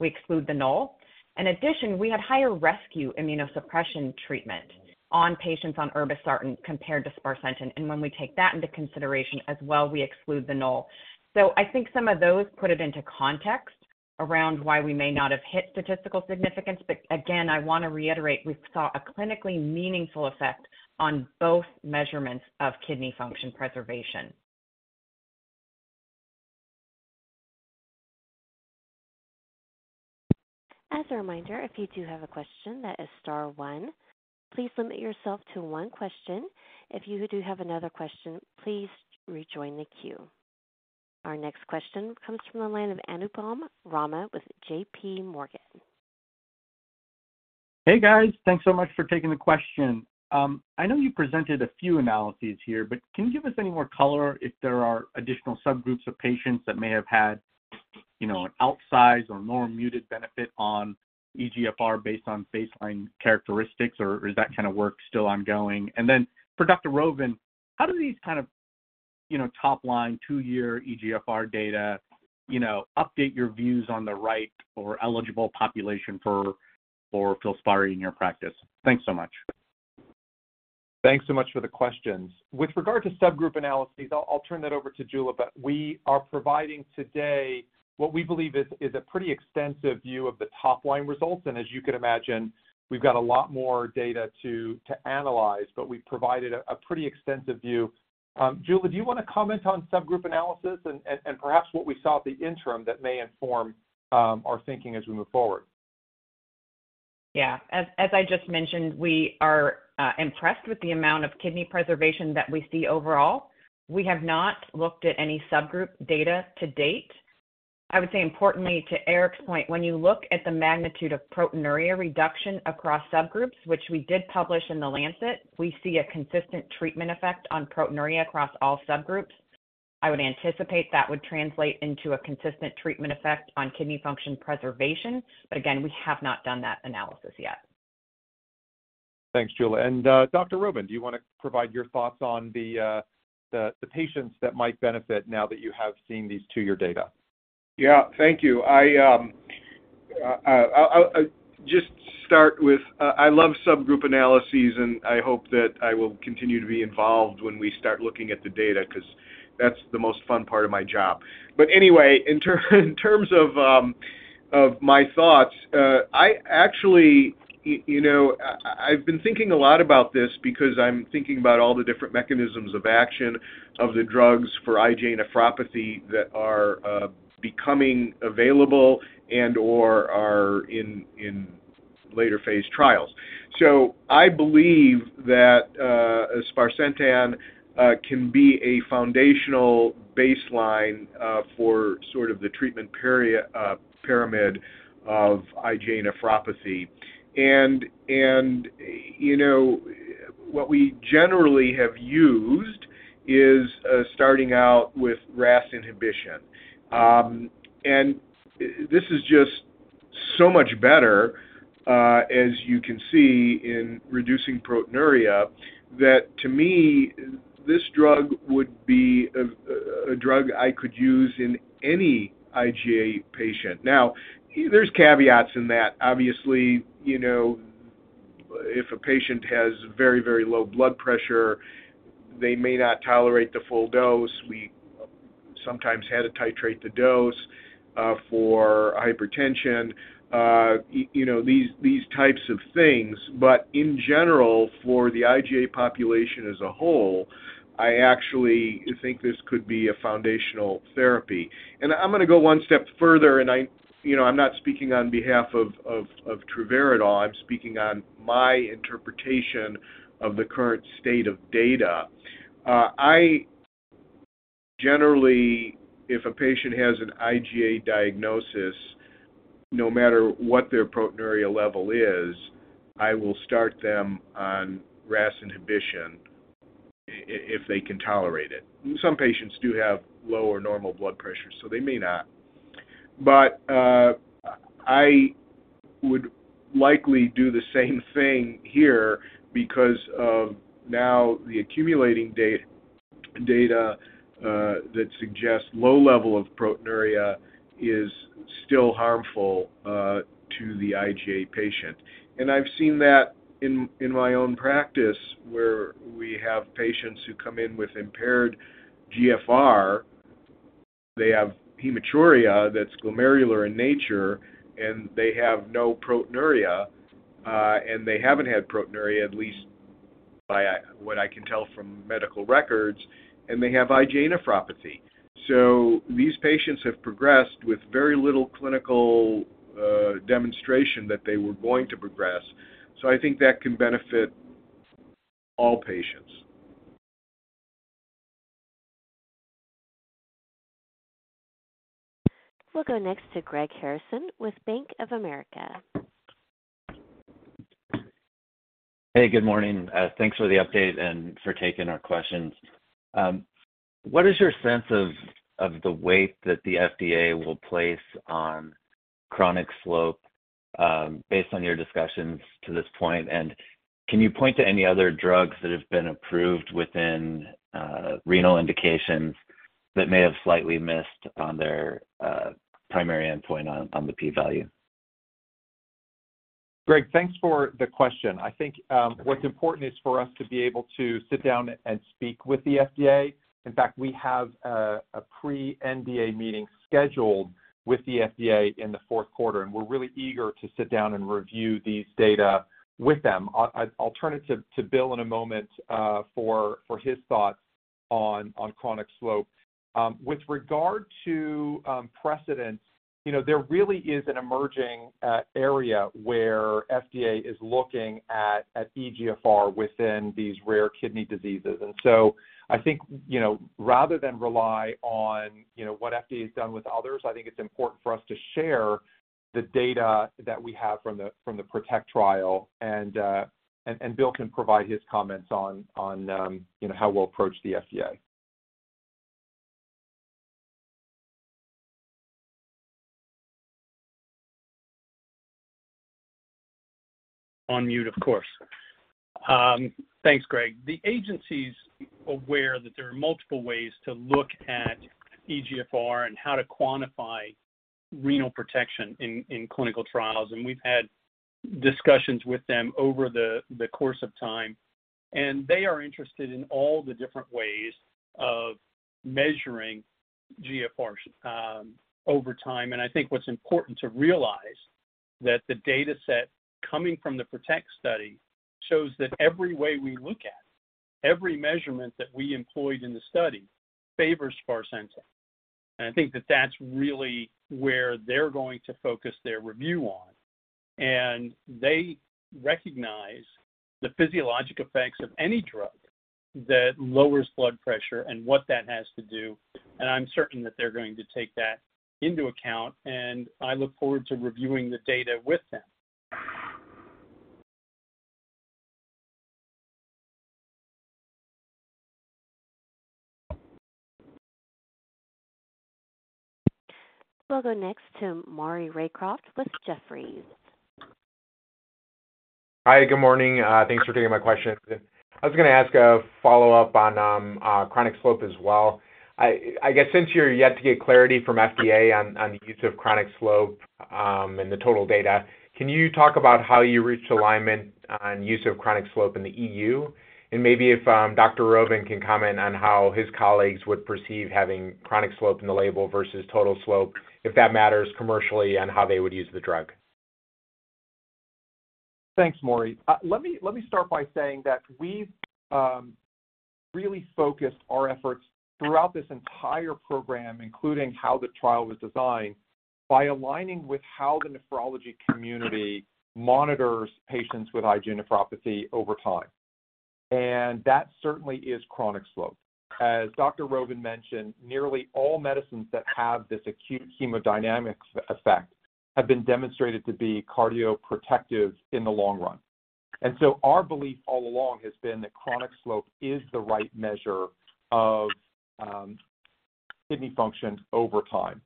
we exclude the null. In addition, we had higher rescue immunosuppression treatment on patients on irbesartan compared to sparsentan, and when we take that into consideration as well, we exclude the null. I think some of those put it into context around why we may not have hit statistical significance. Again, I want to reiterate, we saw a clinically meaningful effect on both measurements of kidney function preservation. As a reminder, if you do have a question, that is star one. Please limit yourself to one question. If you do have another question, please rejoin the queue. Our next question comes from the line of Anupam Rama with J.P. Morgan. Hey, guys. Thanks so much for taking the question. I know you presented a few analyses here, but can you give us any more color if there are additional subgroups of patients that may have had, you know, an outsized or more muted benefit on eGFR based on baseline characteristics, or is that kind of work still ongoing? And then for Dr. Rovin, how do these kind of, you know, top-line, two-year eGFR data, you know, update your views on the right or eligible population for, for FILSPARI in your practice? Thanks so much. Thanks so much for the questions. With regard to subgroup analyses, I'll turn that over to Jula, but we are providing today what we believe is a pretty extensive view of the top-line results, and as you can imagine, we've got a lot more data to analyze, but we've provided a pretty extensive view. Jula, do you want to comment on subgroup analysis and perhaps what we saw at the interim that may inform our thinking as we move forward? Yeah. As I just mentioned, we are impressed with the amount of kidney preservation that we see overall. We have not looked at any subgroup data to date. I would say importantly, to Eric's point, when you look at the magnitude of proteinuria reduction across subgroups, which we did publish in The Lancet, we see a consistent treatment effect on proteinuria across all subgroups. I would anticipate that would translate into a consistent treatment effect on kidney function preservation, but again, we have not done that analysis yet. Thanks, Jula. And, Dr. Rovin, do you want to provide your thoughts on the patients that might benefit now that you have seen these two-year data? Yeah. Thank you. I, I, I'll just start with, I love subgroup analyses, and I hope that I will continue to be involved when we start looking at the data, 'cause that's the most fun part of my job. Anyway, in terms of my thoughts, I actually... You know, I've been thinking a lot about this because I'm thinking about all the different mechanisms of action of the drugs for IgA nephropathy that are becoming available and/or are in later phase trials. I believe that sparsentan can be a foundational baseline for sort of the treatment pyramid of IgA nephropathy. You know, what we generally have used is starting out with RAS inhibition. As you can see, in reducing proteinuria, that to me, this drug would be a, a, a drug I could use in any IgA patient. Now, there's caveats in that. Obviously, you know, if a patient has very, very low blood pressure, they may not tolerate the full dose. We sometimes had to titrate the dose for hypertension, you know, these, these types of things. In general, for the IgA population as a whole, I actually think this could be a foundational therapy. I'm gonna go one step further, and I, you know, I'm not speaking on behalf of, of, of Travere at all. I'm speaking on my interpretation of the current state of data. Generally, if a patient has an IgA diagnosis, no matter what their proteinuria level is, I will start them on RAS inhibition if they can tolerate it. Some patients do have low or normal blood pressure, so they may not. But I would likely do the same thing here because of now, the accumulating data that suggests low level of proteinuria is still harmful to the IgA patient. And I've seen that in my own practice, where we have patients who come in with impaired GFR. They have hematuria that's glomerular in nature, and they have no proteinuria, and they haven't had proteinuria, at least by what I can tell from medical records, and they have IgA nephropathy. So these patients have progressed with very little clinical demonstration that they were going to progress. I think that can benefit all patients. We'll go next to Greg Harrison with Bank of America. Hey, good morning. Thanks for the update and for taking our questions. What is your sense of the weight that the FDA will place on chronic slope, based on your discussions to this point? And can you point to any other drugs that have been approved within renal indications that may have slightly missed on their primary endpoint on the p-value? Greg, thanks for the question. I think, what's important is for us to be able to sit down and speak with the FDA. In fact, we have a pre-NDA meeting scheduled with the FDA in the fourth quarter, and we're really eager to sit down and review these data with them. I'll turn it to Bill in a moment, for his thoughts on chronic slope. With regard to precedence, you know, there really is an emerging area where FDA is looking at eGFR within these rare kidney diseases. And so I think, you know, rather than rely on, you know, what FDA has done with others, I think it's important for us to share the data that we have from the PROTECT trial, and Bill can provide his comments on, you know, how we'll approach the FDA. On mute, of course. Thanks, Greg. The agency's aware that there are multiple ways to look at eGFR and how to quantify renal protection in clinical trials, and we've had discussions with them over the course of time, and they are interested in all the different ways of measuring GFR over time. And I think what's important to realize that the dataset coming from the PROTECT study shows that every way we look at, every measurement that we employed in the study, favors sparsentan. And I think that that's really where they're going to focus their review on, and they recognize the physiologic effects of any drug that lowers blood pressure and what that has to do, and I'm certain that they're going to take that into account, and I look forward to reviewing the data with them. We'll go next to Maury Raycroft with Jefferies. Hi, good morning. Thanks for taking my question. I was gonna ask a follow-up on chronic slope as well. I guess since you're yet to get clarity from FDA on the use of chronic slope and the total data, can you talk about how you reached alignment on use of chronic slope in the EU? And maybe if Dr. Rovin can comment on how his colleagues would perceive having chronic slope in the label versus total slope, if that matters commercially, and how they would use the drug. Thanks, Maury. Let me start by saying that we've really focused our efforts throughout this entire program, including how the trial was designed, by aligning with how the nephrology community monitors patients with IgA nephropathy over time. And that certainly is chronic slope. As Dr. Rovin mentioned, nearly all medicines that have this acute hemodynamic effect have been demonstrated to be cardioprotective in the long run. And so our belief all along has been that chronic slope is the right measure of kidney function over time.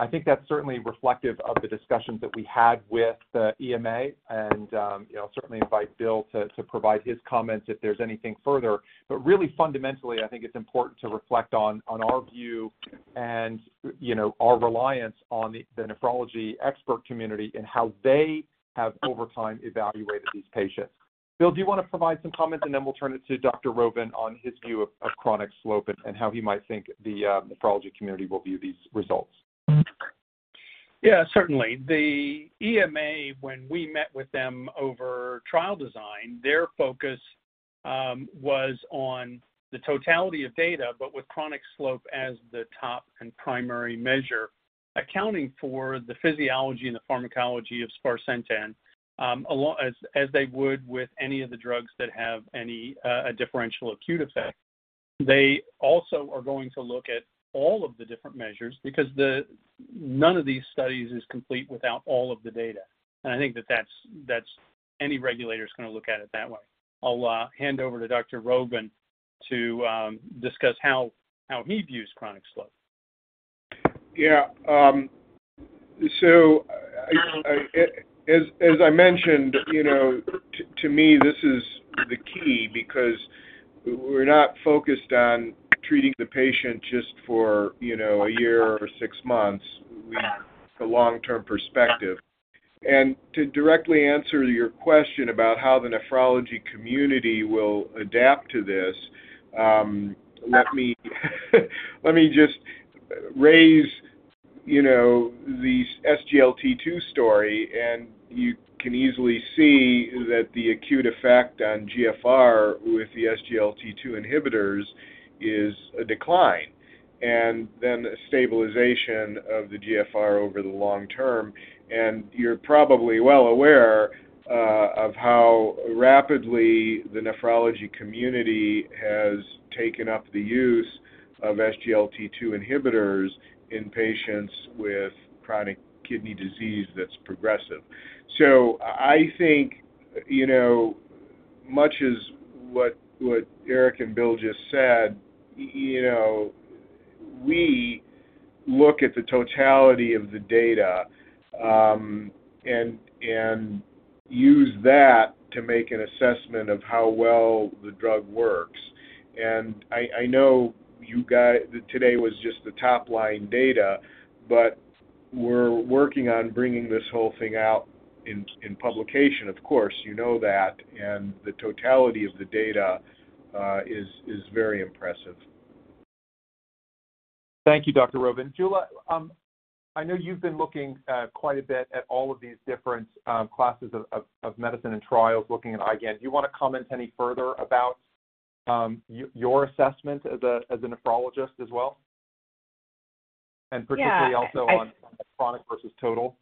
I think that's certainly reflective of the discussions that we had with the EMA and you know certainly invite Bill to provide his comments if there's anything further. But really, fundamentally, I think it's important to reflect on our view and, you know, our reliance on the nephrology expert community and how they have over time evaluated these patients. Bill, do you want to provide some comments, and then we'll turn it to Dr. Rovin on his view of chronic slope and how he might think the nephrology community will view these results? Yeah, certainly. The EMA, when we met with them over trial design, their focus was on the totality of data, but with chronic slope as the top and primary measure, accounting for the physiology and the pharmacology of sparsentan, along as they would with any of the drugs that have any differential acute effect. They also are going to look at all of the different measures because none of these studies is complete without all of the data. And I think that's any regulator is going to look at it that way. I'll hand over to Dr. Rovin to discuss how he views chronic slope. Yeah, so, as I mentioned, you know, to me, this is the key because we're not focused on treating the patient just for, you know, a year or six months. We... It's a long-term perspective. And to directly answer your question about how the nephrology community will adapt to this, let me just raise, you know, the SGLT2 story, and you can easily see that the acute effect on GFR with the SGLT2 inhibitors is a decline and then a stabilization of the GFR over the long term. And you're probably well aware of how rapidly the nephrology community has taken up the use of SGLT2 inhibitors in patients with chronic kidney disease that's progressive. So I think, you know, much as what Eric and Bill just said, you know, we look at the totality of the data, and use that to make an assessment of how well the drug works. And I know you guys today was just the top-line data, but we're working on bringing this whole thing out in publication, of course, you know that, and the totality of the data is very impressive. Thank you, Dr. Rovin. Jula, I know you've been looking quite a bit at all of these different classes of medicine and trials, looking at again. Do you want to comment any further about your assessment as a nephrologist as well? Yeah. Particularly also on chronic versus total?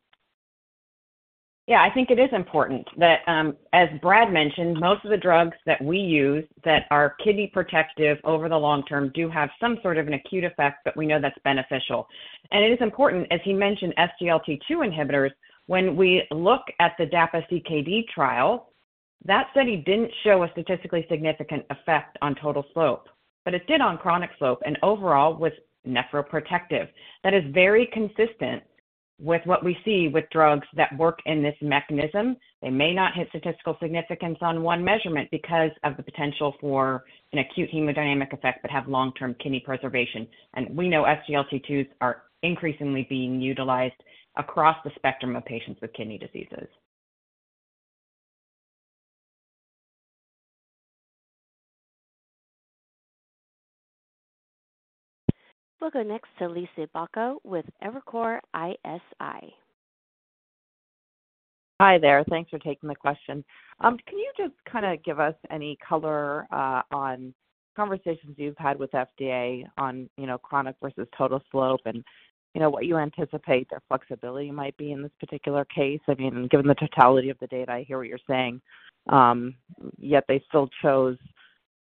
Yeah, I think it is important that, as Brad mentioned, most of the drugs that we use that are kidney protective over the long term do have some sort of an acute effect, but we know that's beneficial. And it is important, as he mentioned, SGLT2 inhibitors, when we look at the DAPA-CKD trial, that study didn't show a statistically significant effect on total slope, but it did on chronic slope and overall was nephroprotective. That is very consistent with what we see with drugs that work in this mechanism. They may not hit statistical significance on one measurement because of the potential for an acute hemodynamic effect, but have long-term kidney preservation. And we know SGLT2s are increasingly being utilized across the spectrum of patients with kidney diseases. We'll go next to Liisa Bayko with Evercore ISI. Hi there. Thanks for taking the question. Can you just kind of give us any color on conversations you've had with FDA on, you know, chronic versus total slope, and, you know, what you anticipate their flexibility might be in this particular case? I mean, given the totality of the data, I hear what you're saying, yet they still chose,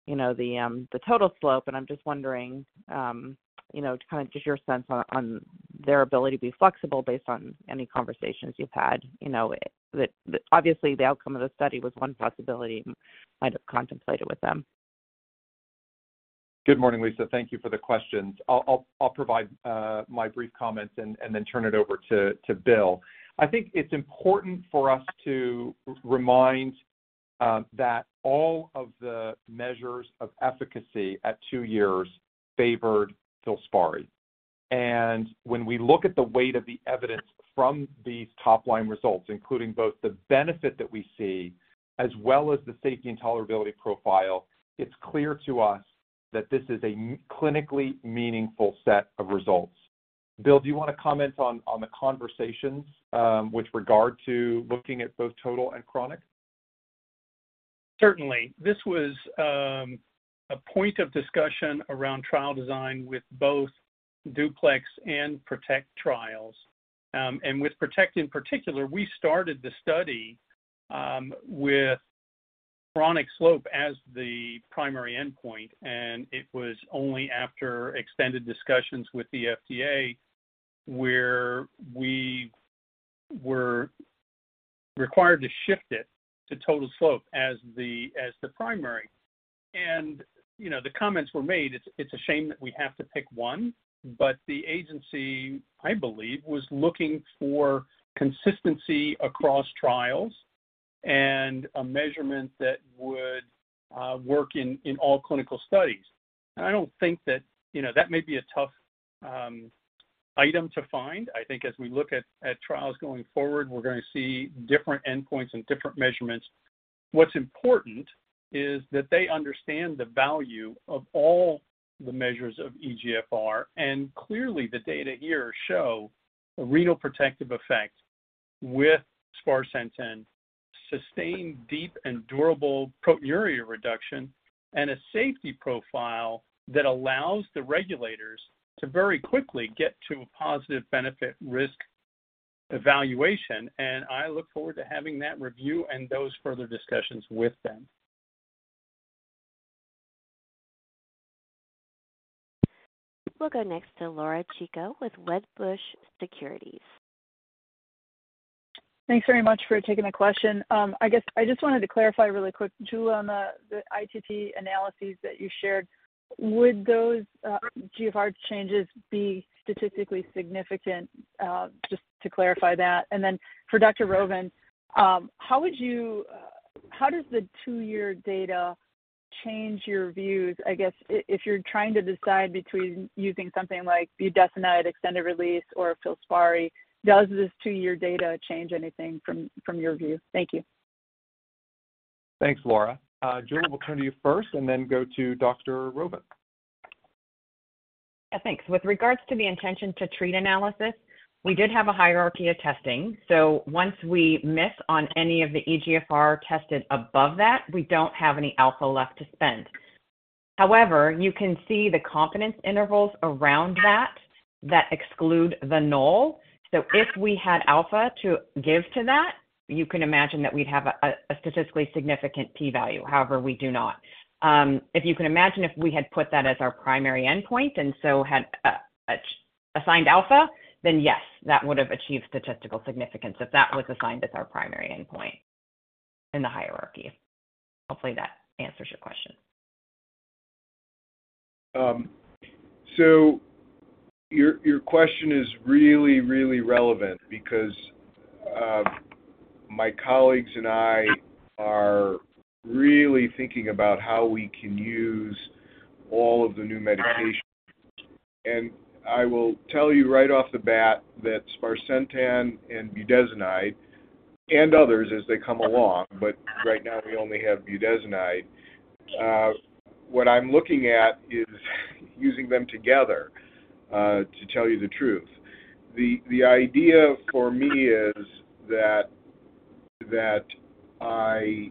you know, the total slope, and I'm just wondering, you know, to kind of just your sense on their ability to be flexible based on any conversations you've had. You know, it obviously the outcome of the study was one possibility, might have contemplated with them. Good morning, Liisa. Thank you for the questions. I'll provide my brief comments and then turn it over to Bill. I think it's important for us to remind that all of the measures of efficacy at two years favored FILSPARI. And when we look at the weight of the evidence from these top-line results, including both the benefit that we see, as well as the safety and tolerability profile, it's clear to us that this is a clinically meaningful set of results. Bill, do you want to comment on the conversations with regard to looking at both total and chronic? Certainly. This was a point of discussion around trial design with both DUPLEX and PROTECT trials. And with PROTECT, in particular, we started the study with chronic slope as the primary endpoint, and it was only after extended discussions with the FDA, where we were required to shift it to total slope as the, as the primary. And, you know, the comments were made, "It's, it's a shame that we have to pick one," but the agency, I believe, was looking for consistency across trials and a measurement that would work in all clinical studies. And I don't think that, you know, that may be a tough item to find. I think as we look at trials going forward, we're going to see different endpoints and different measurements. What's important is that they understand the value of all the measures of eGFR, and clearly, the data here show a renal protective effect with sparsentan, sustained deep and durable proteinuria reduction, and a safety profile that allows the regulators to very quickly get to a positive benefit-risk evaluation. And I look forward to having that review and those further discussions with them. We'll go next to Laura Chico with Wedbush Securities. Thanks very much for taking the question. I guess I just wanted to clarify really quick, Jula, on the, the ITT analyses that you shared. Would those GFR changes be statistically significant? Just to clarify that. And then for Dr. Rovin, how would you... how does the two-year data change your views? I guess if you're trying to decide between using something like budesonide extended-release or FILSPARI, does this two-year data change anything from, from your view? Thank you. Thanks, Laura. Jula, we'll turn to you first and then go to Dr. Rovin. Yeah, thanks. With regards to the intention to treat analysis, we did have a hierarchy of testing. So once we miss on any of the eGFR tested above that, we don't have any alpha left to spend. However, you can see the confidence intervals around that, that exclude the null. So if we had alpha to give to that, you can imagine that we'd have a statistically significant p-value. However, we do not. If you can imagine if we had put that as our primary endpoint and so had assigned alpha, then yes, that would have achieved statistical significance if that was assigned as our primary endpoint in the hierarchy. Hopefully, that answers your question. Your question is really, really relevant because my colleagues and I are really thinking about how we can use all of the new medications. I will tell you right off the bat that sparsentan and budesonide, and others as they come along, but right now we only have budesonide. What I'm looking at is using them together, to tell you the truth. The idea for me is that I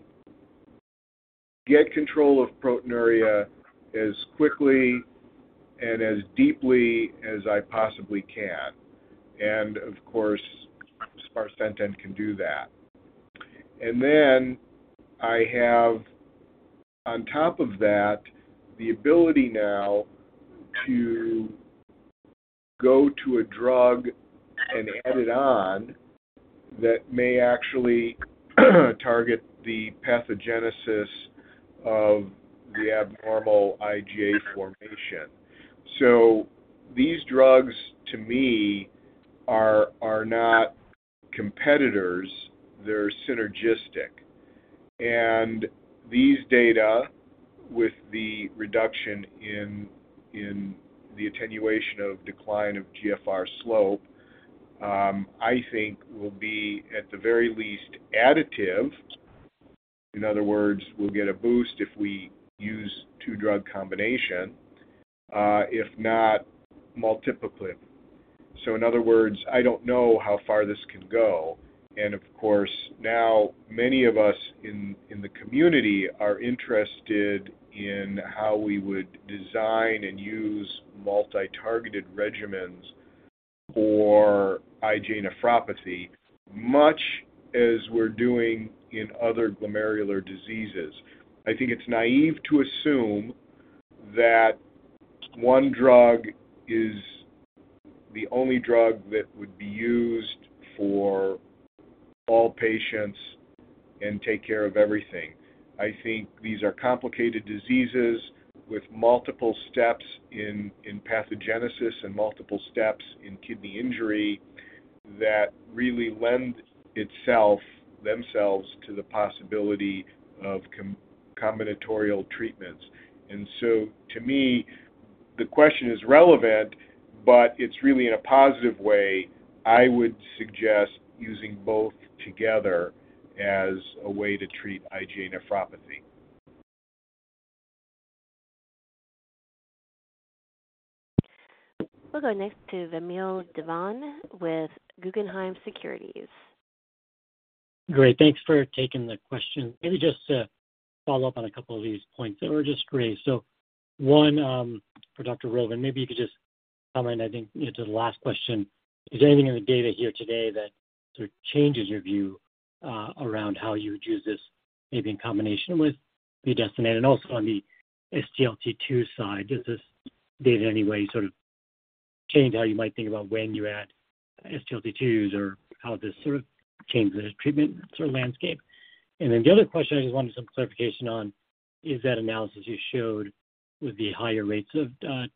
get control of proteinuria as quickly and as deeply as I possibly can, and of course, sparsentan can do that. I have, on top of that, the ability now to go to a drug and add it on that may actually target the pathogenesis of the abnormal IgA formation. These drugs, to me, are not competitors. They're synergistic. These data, with the reduction in the attenuation of decline of GFR slope, I think will be, at the very least, additive. In other words, we'll get a boost if we use two-drug combination, if not multiplicatively. So in other words, I don't know how far this could go. And of course, now, many of us in the community are interested in how we would design and use multi-targeted regimens for IgA nephropathy, much as we're doing in other glomerular diseases. I think it's naive to assume that one drug is the only drug that would be used for all patients and take care of everything. I think these are complicated diseases with multiple steps in pathogenesis and multiple steps in kidney injury that really lend themselves to the possibility of combinatorial treatments. So to me, the question is relevant, but it's really in a positive way. I would suggest using both together as a way to treat IgA nephropathy. We'll go next to Vamil Divan with Guggenheim Securities. Great, thanks for taking the question. Maybe just to follow up on a couple of these points that were just raised. One, for Dr. Rovin, maybe you could just comment, I think, to the last question. Is there anything in the data here today that sort of changes your view, around how you would use this, maybe in combination with budesonide? Also on the SGLT2 side, does this data in any way sort of change how you might think about when you add SGLT2s, or how this sort of changes the treatment sort of landscape? The other question I just wanted some clarification on is that analysis you showed with the higher rates of,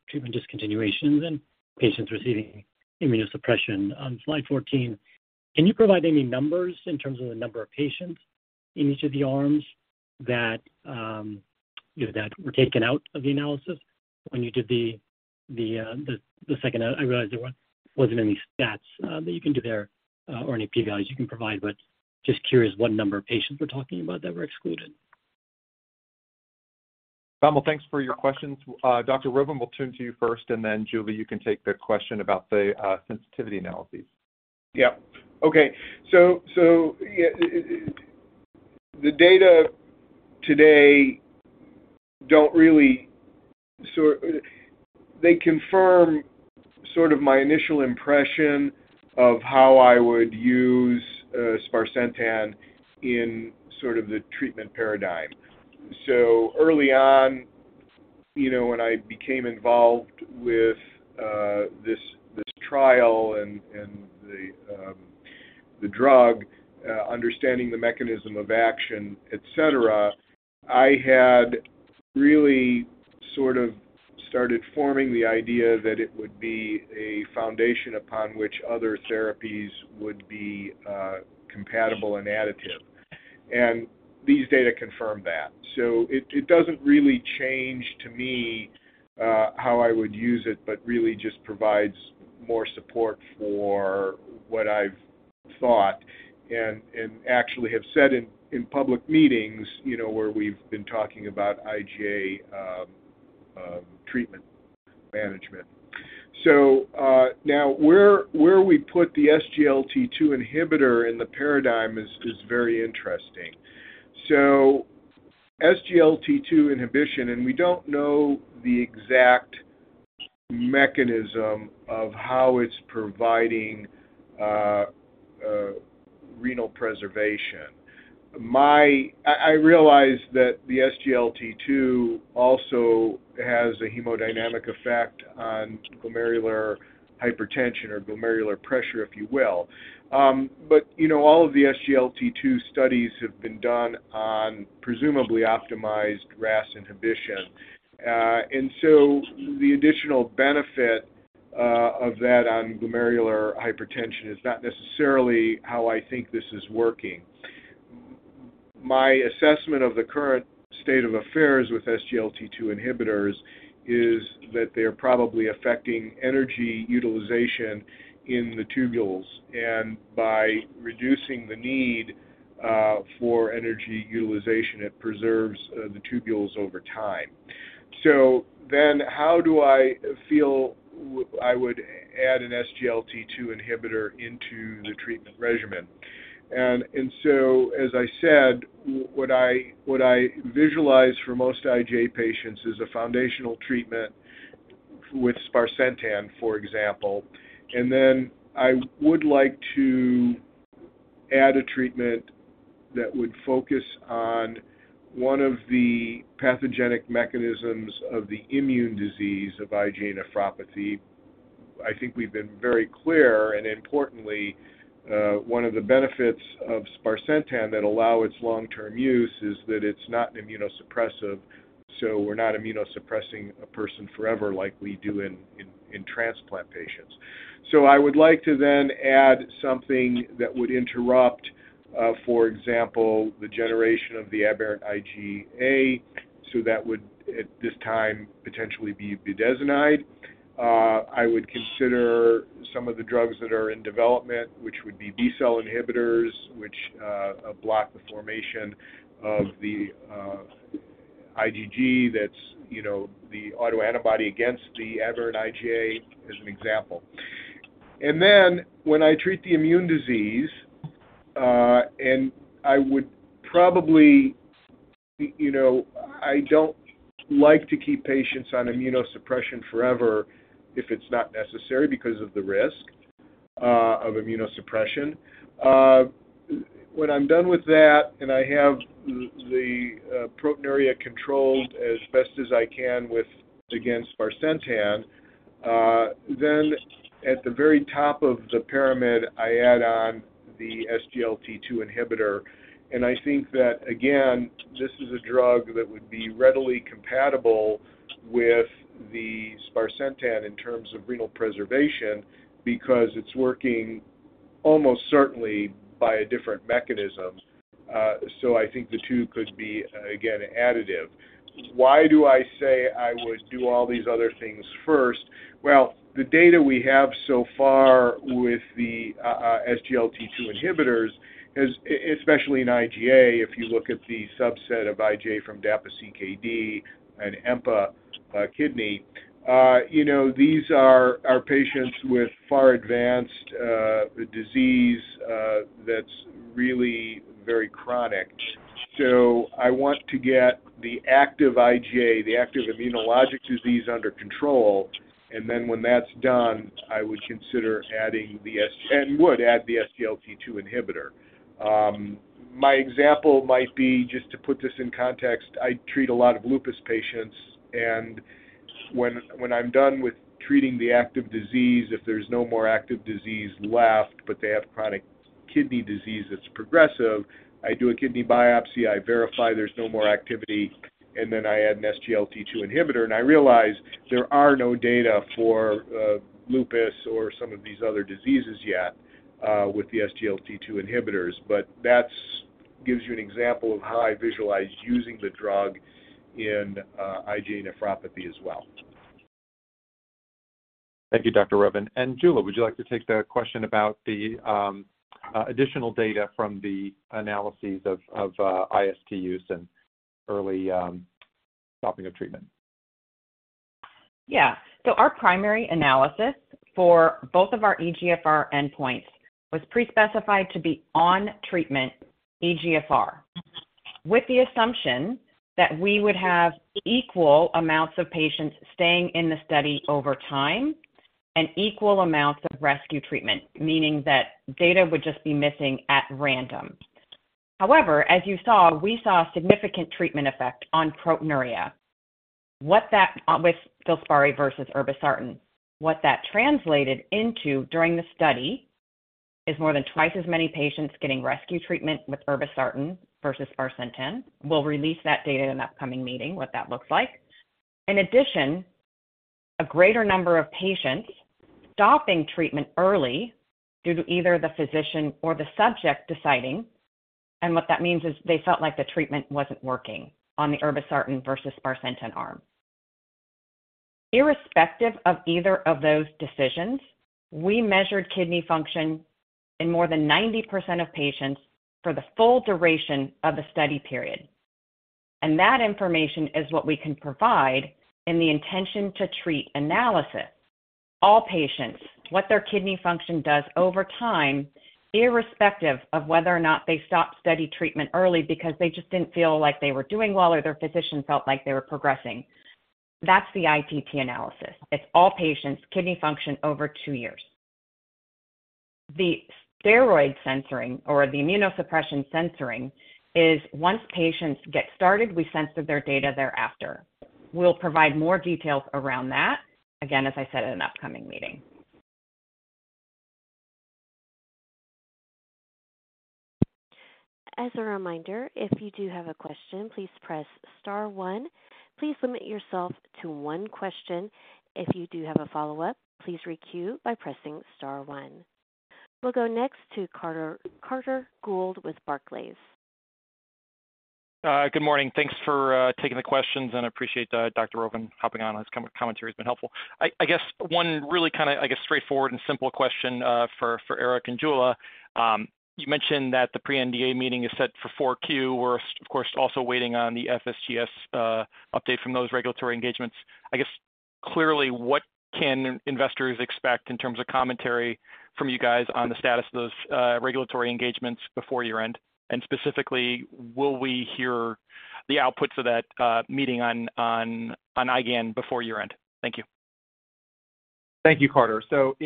treatment discontinuations and patients receiving immunosuppression. On slide 14- Can you provide any numbers in terms of the number of patients in each of the arms that, you know, that were taken out of the analysis when you did the second—I realize there weren't, wasn't any stats that you can do there, or any p-values you can provide, but just curious what number of patients we're talking about that were excluded? Vamil, thanks for your questions. Dr. Rovin, we'll turn to you first, and then, Jula, you can take the question about the sensitivity analyses. Yeah. Okay. The data today don't really... So, they confirm sort of my initial impression of how I would use sparsentan in sort of the treatment paradigm. So early on, you know, when I became involved with this trial and the drug, understanding the mechanism of action, et cetera, I had really sort of started forming the idea that it would be a foundation upon which other therapies would be compatible and additive. And these data confirm that. So it doesn't really change to me how I would use it, but really just provides more support for what I've thought and actually have said in public meetings, you know, where we've been talking about IgA treatment management. So, now, where we put the SGLT2 inhibitor in the paradigm is very interesting. So SGLT2 inhibition, and we don't know the exact mechanism of how it's providing renal preservation. I realize that the SGLT2 also has a hemodynamic effect on glomerular hypertension or glomerular pressure, if you will. But, you know, all of the SGLT2 studies have been done on presumably optimized RAS inhibition. And so the additional benefit of that on glomerular hypertension is not necessarily how I think this is working. My assessment of the current state of affairs with SGLT2 inhibitors is that they're probably affecting energy utilization in the tubules. And by reducing the need for energy utilization, it preserves the tubules over time. So then how do I feel I would add an SGLT2 inhibitor into the treatment regimen? As I said, what I visualize for most IgA patients is a foundational treatment with sparsentan, for example. I would like to add a treatment that would focus on one of the pathogenic mechanisms of the immune disease of IgA nephropathy. I think we've been very clear, and importantly, one of the benefits of sparsentan that allow its long-term use is that it's not an immunosuppressive, so we're not immunosuppressing a person forever like we do in transplant patients. I would like to then add something that would interrupt, for example, the generation of the aberrant IgA, so that would, at this time, potentially be budesonide. I would consider some of the drugs that are in development, which would be B-cell inhibitors, which block the formation of the IgG. That's, you know, the autoantibody against the aberrant IgA, as an example. When I treat the immune disease, I would probably... You know, I don't like to keep patients on immunosuppression forever if it's not necessary because of the risk of immunosuppression. When I'm done with that, and I have the proteinuria controlled as best as I can with, again, sparsentan, then at the very top of the pyramid, I add on the SGLT2 inhibitor, and I think that, again, this is a drug that would be readily compatible with the sparsentan in terms of renal preservation because it's working almost certainly by a different mechanism. I think the two could be, again, additive. Why do I say I would do all these other things first? Well, the data we have so far with the SGLT2 inhibitors is especially in IgA, if you look at the subset of IgA from DAPA-CKD and EMPA-KIDNEY, you know, these are patients with far advanced disease that's really very chronic. So I want to get the active IgA, the active immunologic disease under control, and then when that's done, I would consider adding the SGLT2 inhibitor. My example might be, just to put this in context, I treat a lot of lupus patients, and when I'm done with treating the active disease, if there's no more active disease left, but they have chronic kidney disease that's progressive, I do a kidney biopsy, I verify there's no more activity, and then I add an SGLT2 inhibitor. I realize there are no data for lupus or some of these other diseases yet with the SGLT2 inhibitors, but that gives you an example of how I visualize using the drug in IgA nephropathy as well. Thank you, Dr. Rovin. Jula, would you like to take the question about the additional data from the analyses of IST use and early stopping of treatment? Yeah. Our primary analysis for both of our eGFR endpoints was pre-specified to be on-treatment eGFR, with the assumption that we would have equal amounts of patients staying in the study over time and equal amounts of rescue treatment, meaning that data would just be missing at random. However, as you saw, we saw a significant treatment effect on proteinuria. What that, with FILSPARI versus irbesartan, what that translated into during the study is more than twice as many patients getting rescue treatment with irbesartan versus sparsentan. We'll release that data in an upcoming meeting, what that looks like. In addition, a greater number of patients stopping treatment early due to either the physician or the subject deciding, and what that means is they felt like the treatment wasn't working on the irbesartan versus sparsentan arm. Irrespective of either of those decisions, we measured kidney function in more than 90% of patients for the full duration of the study period. That information is what we can provide in the intention to treat analysis. All patients, what their kidney function does over time, irrespective of whether or not they stopped study treatment early because they just didn't feel like they were doing well, or their physician felt like they were progressing. That's the ITT analysis. It's all patients' kidney function over two years. The steroid censoring, or the immunosuppression censoring, is once patients get started, we censor their data thereafter. We'll provide more details around that, again, as I said, at an upcoming meeting. As a reminder, if you do have a question, please press star one. Please limit yourself to one question. If you do have a follow-up, please requeue by pressing star one. We'll go next to Carter, Carter Gould with Barclays. Good morning. Thanks for taking the questions, and I appreciate Dr. Rovin hopping on. His commentary has been helpful. I guess one really kind of straightforward and simple question for Eric and Jula. You mentioned that the pre-NDA meeting is set for Q4. We're of course also waiting on the FSGS update from those regulatory engagements. I guess clearly what can investors expect in terms of commentary from you guys on the status of those regulatory engagements before year-end? And specifically, will we hear the outputs of that meeting on IgAN before year-end? Thank you. Thank you, Carter. So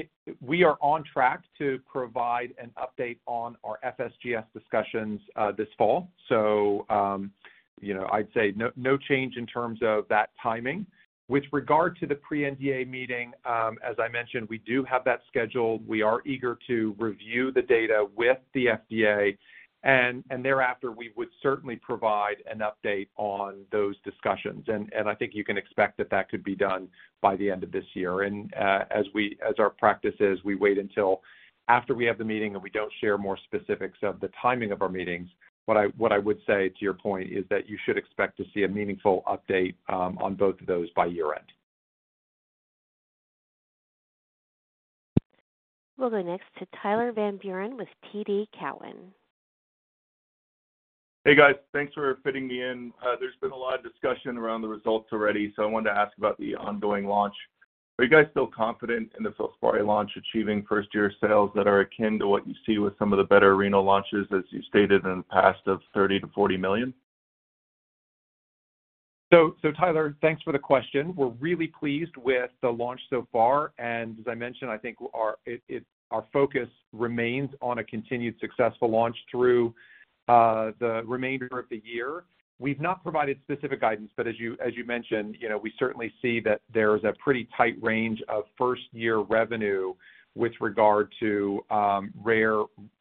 we are on track to provide an update on our FSGS discussions this fall. So, you know, I'd say no, no change in terms of that timing. With regard to the pre-NDA meeting, as I mentioned, we do have that scheduled. We are eager to review the data with the FDA, and thereafter, we would certainly provide an update on those discussions. And I think you can expect that that could be done by the end of this year. And, as our practice is, we wait until after we have the meeting, and we don't share more specifics of the timing of our meetings. What I would say to your point is that you should expect to see a meaningful update on both of those by year-end. We'll go next to Tyler Van Buren with TD Cowen. Hey, guys. Thanks for fitting me in. There's been a lot of discussion around the results already, so I wanted to ask about the ongoing launch. Are you guys still confident in the FILSPARI launch, achieving first-year sales that are akin to what you see with some of the better renal launches, as you stated in the past, of $30 million-$40 million? So, Tyler, thanks for the question. We're really pleased with the launch so far, and as I mentioned, I think our focus remains on a continued successful launch through the remainder of the year. We've not provided specific guidance, but as you mentioned, you know, we certainly see that there is a pretty tight range of first-year revenue with regard to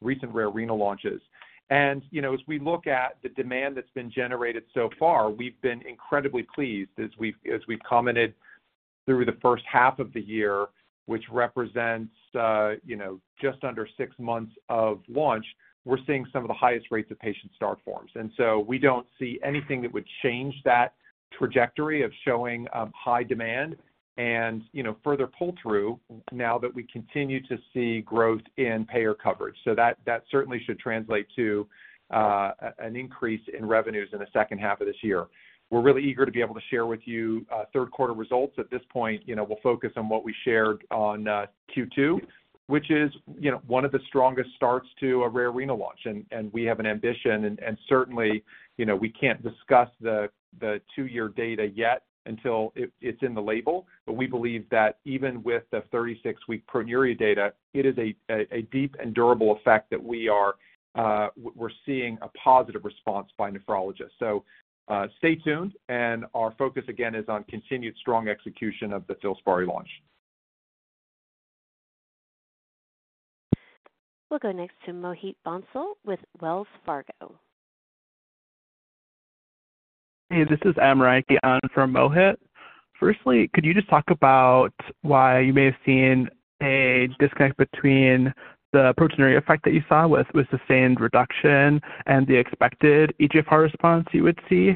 recent rare renal launches. And, you know, as we look at the demand that's been generated so far, we've been incredibly pleased as we've commented through the first half of the year, which represents just under six months of launch. We're seeing some of the highest rates of patient start forms. And so we don't see anything that would change that trajectory of showing high demand and, you know, further pull-through now that we continue to see growth in payer coverage. So that certainly should translate to an increase in revenues in the second half of this year. We're really eager to be able to share with you third-quarter results. At this point, you know, we'll focus on what we shared on Q2, which is, you know, one of the strongest starts to a rare renal launch. And we have an ambition, and certainly, you know, we can't discuss the two-year data yet until it's in the label. But we believe that even with the 36-week proteinuria data, it is a deep and durable effect that we're seeing a positive response by nephrologists. So, stay tuned, and our focus again is on continued strong execution of the FILSPARI launch. We'll go next to Mohit Bansal with Wells Fargo. Hey, this is Emory on from Mohit. Firstly, could you just talk about why you may have seen a disconnect between the proteinuria effect that you saw with, with sustained reduction and the expected eGFR response you would see?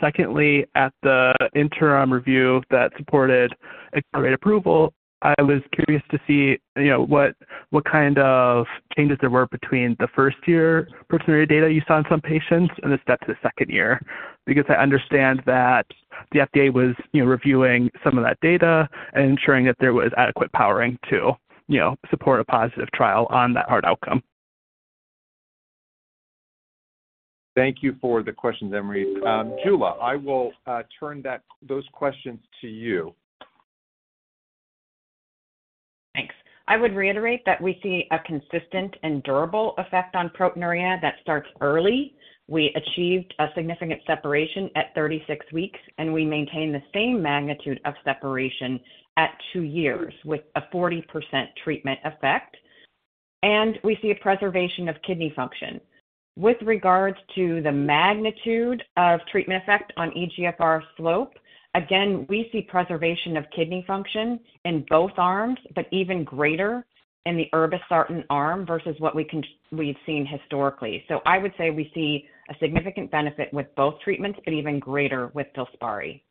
Secondly, at the interim review that supported a great approval, I was curious to see, you know, what, what kind of changes there were between the first year proteinuria data you saw in some patients and the step to the second year. Because I understand that the FDA was, you know, reviewing some of that data and ensuring that there was adequate powering to, you know, support a positive trial on that hard outcome. Thank you for the questions, Emory. Jula, I will turn those questions to you. Thanks. I would reiterate that we see a consistent and durable effect on proteinuria that starts early. We achieved a significant separation at 36 weeks, and we maintain the same magnitude of separation at two years with a 40% treatment effect, and we see a preservation of kidney function. With regards to the magnitude of treatment effect on eGFR slope, again, we see preservation of kidney function in both arms, but even greater in the irbesartan arm versus what we've seen historically. So I would say we see a significant benefit with both treatments, but even greater with FILSPARI.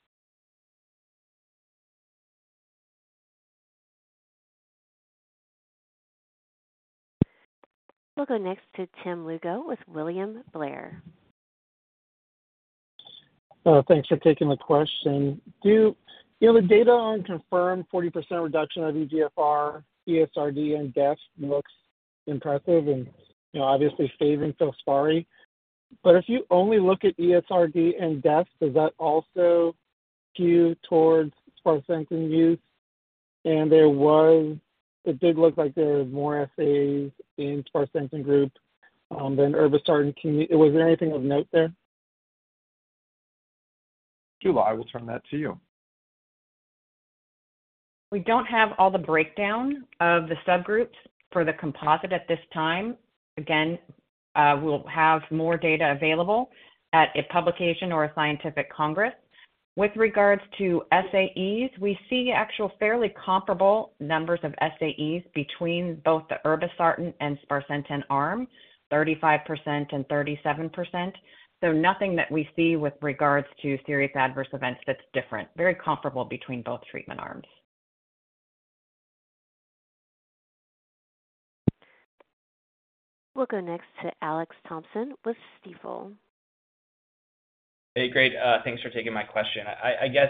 We'll go next to Tim Lugo with William Blair. Thanks for taking the question. Do you know the data on confirmed 40% reduction of eGFR, ESRD and death looks impressive and, you know, obviously favoring FILSPARI. But if you only look at ESRD and death, does that also skew towards sparsentan use? And there was... It did look like there was more SAEs in sparsentan group than irbesartan comm-- Was there anything of note there? Jula, I will turn that to you. We don't have all the breakdown of the subgroups for the composite at this time. Again, we'll have more data available at a publication or a scientific congress. With regards to SAEs, we see actual, fairly comparable numbers of SAEs between both the irbesartan and sparsentan arm, 35% and 37%. So nothing that we see with regards to serious adverse events that's different. Very comparable between both treatment arms. We'll go next to Alex Thompson with Stifel. Hey, great. Thanks for taking my question. I guess,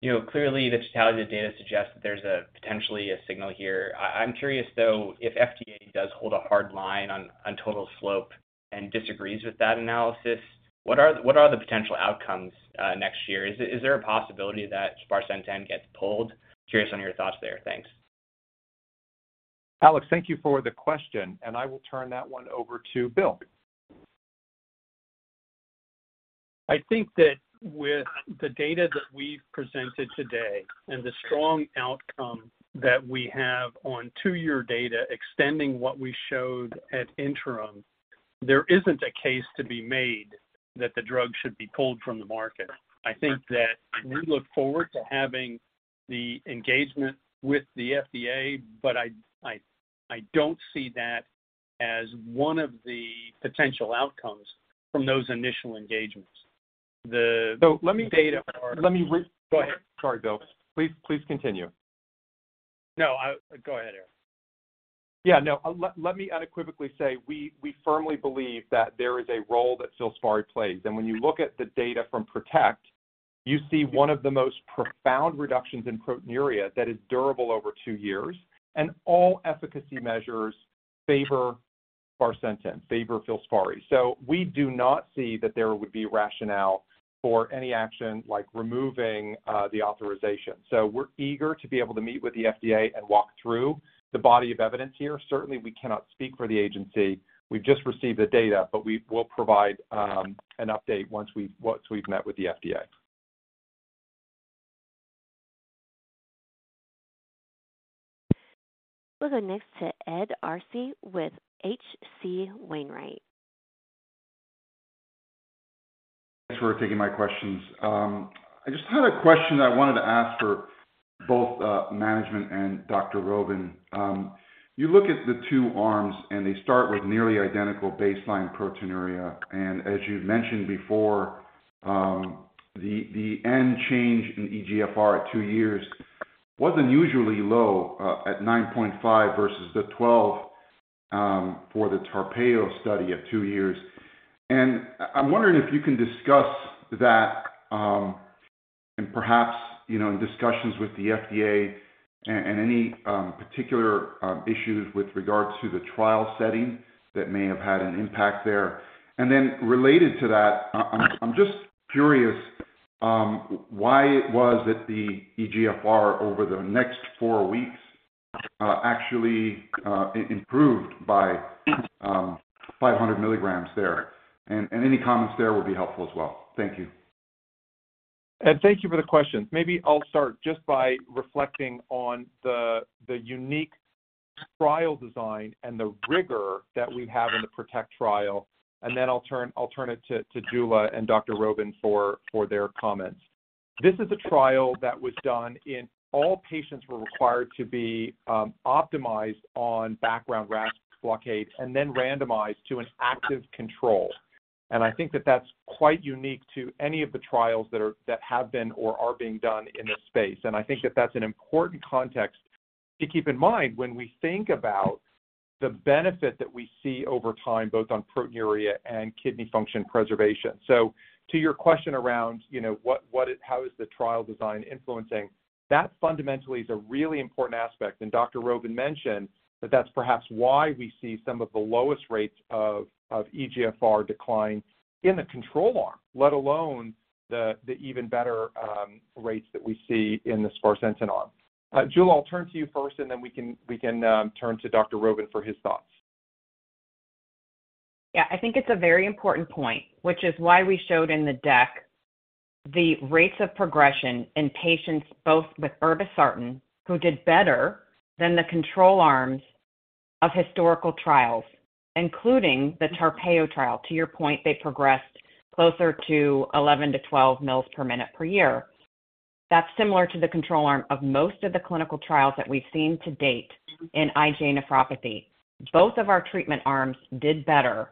you know, clearly the totality of the data suggests that there's potentially a signal here. I'm curious, though, if FDA does hold a hard line on total slope and disagrees with that analysis, what are the potential outcomes next year? Is there a possibility that sparsentan gets pulled? Curious on your thoughts there. Thanks. Alex, thank you for the question, and I will turn that one over to Bill. I think that with the data that we've presented today and the strong outcome that we have on two-year data extending what we showed at interim, there isn't a case to be made that the drug should be pulled from the market. I think that we look forward to having the engagement with the FDA, but I don't see that as one of the potential outcomes from those initial engagements. The So let me- Data Go ahead. Sorry, Bill. Please, please continue. No, go ahead, Eric. Yeah, no. Let me unequivocally say, we firmly believe that there is a role that FILSPARI plays. And when you look at the data from PROTECT, you see one of the most profound reductions in proteinuria that is durable over two years, and all efficacy measures favor sparsentan, favor FILSPARI. So we do not see that there would be rationale for any action like removing the authorization. So we're eager to be able to meet with the FDA and walk through the body of evidence here. Certainly, we cannot speak for the agency. We've just received the data, but we will provide an update once we've met with the FDA. We'll go next to Ed Arce with H.C. Wainwright. Thanks for taking my questions. I just had a question I wanted to ask for both management and Dr. Rovin. You look at the two arms, and they start with nearly identical baseline proteinuria. And as you've mentioned before, the end change in eGFR at two years was unusually low, at 9.5 versus the 12 for the TARPEYO study at two years. And I'm wondering if you can discuss that, and perhaps, you know, in discussions with the FDA and any particular issues with regards to the trial setting that may have had an impact there. And then related to that, I'm just curious why it was that the eGFR over the next four weeks actually improved by 500mg there. And any comments there will be helpful as well. Thank you. Thank you for the question. Maybe I'll start just by reflecting on the unique trial design and the rigor that we have in the PROTECT trial, and then I'll turn it to Jula and Dr. Rovin for their comments. This is a trial that was done in all patients were required to be optimized on background RAS blockade and then randomized to an active control. I think that that's quite unique to any of the trials that are, that have been or are being done in this space. I think that that's an important context to keep in mind when we think about the benefit that we see over time, both on proteinuria and kidney function preservation. To your question around, you know, what is how is the trial design influencing? That fundamentally is a really important aspect, and Dr. Rovin mentioned that that's perhaps why we see some of the lowest rates of, of eGFR decline in the control arm, let alone the, the even better, rates that we see in the sparsentan arm. Jula, I'll turn to you first, and then we can, we can, turn to Dr. Rovin for his thoughts. Yeah, I think it's a very important point, which is why we showed in the deck the rates of progression in patients, both with irbesartan, who did better than the control arms of historical trials, including the TARPEYO trial. To your point, they progressed closer to 11-12 mL/min/year. That's similar to the control arm of most of the clinical trials that we've seen to date in IgA nephropathy. Both of our treatment arms did better.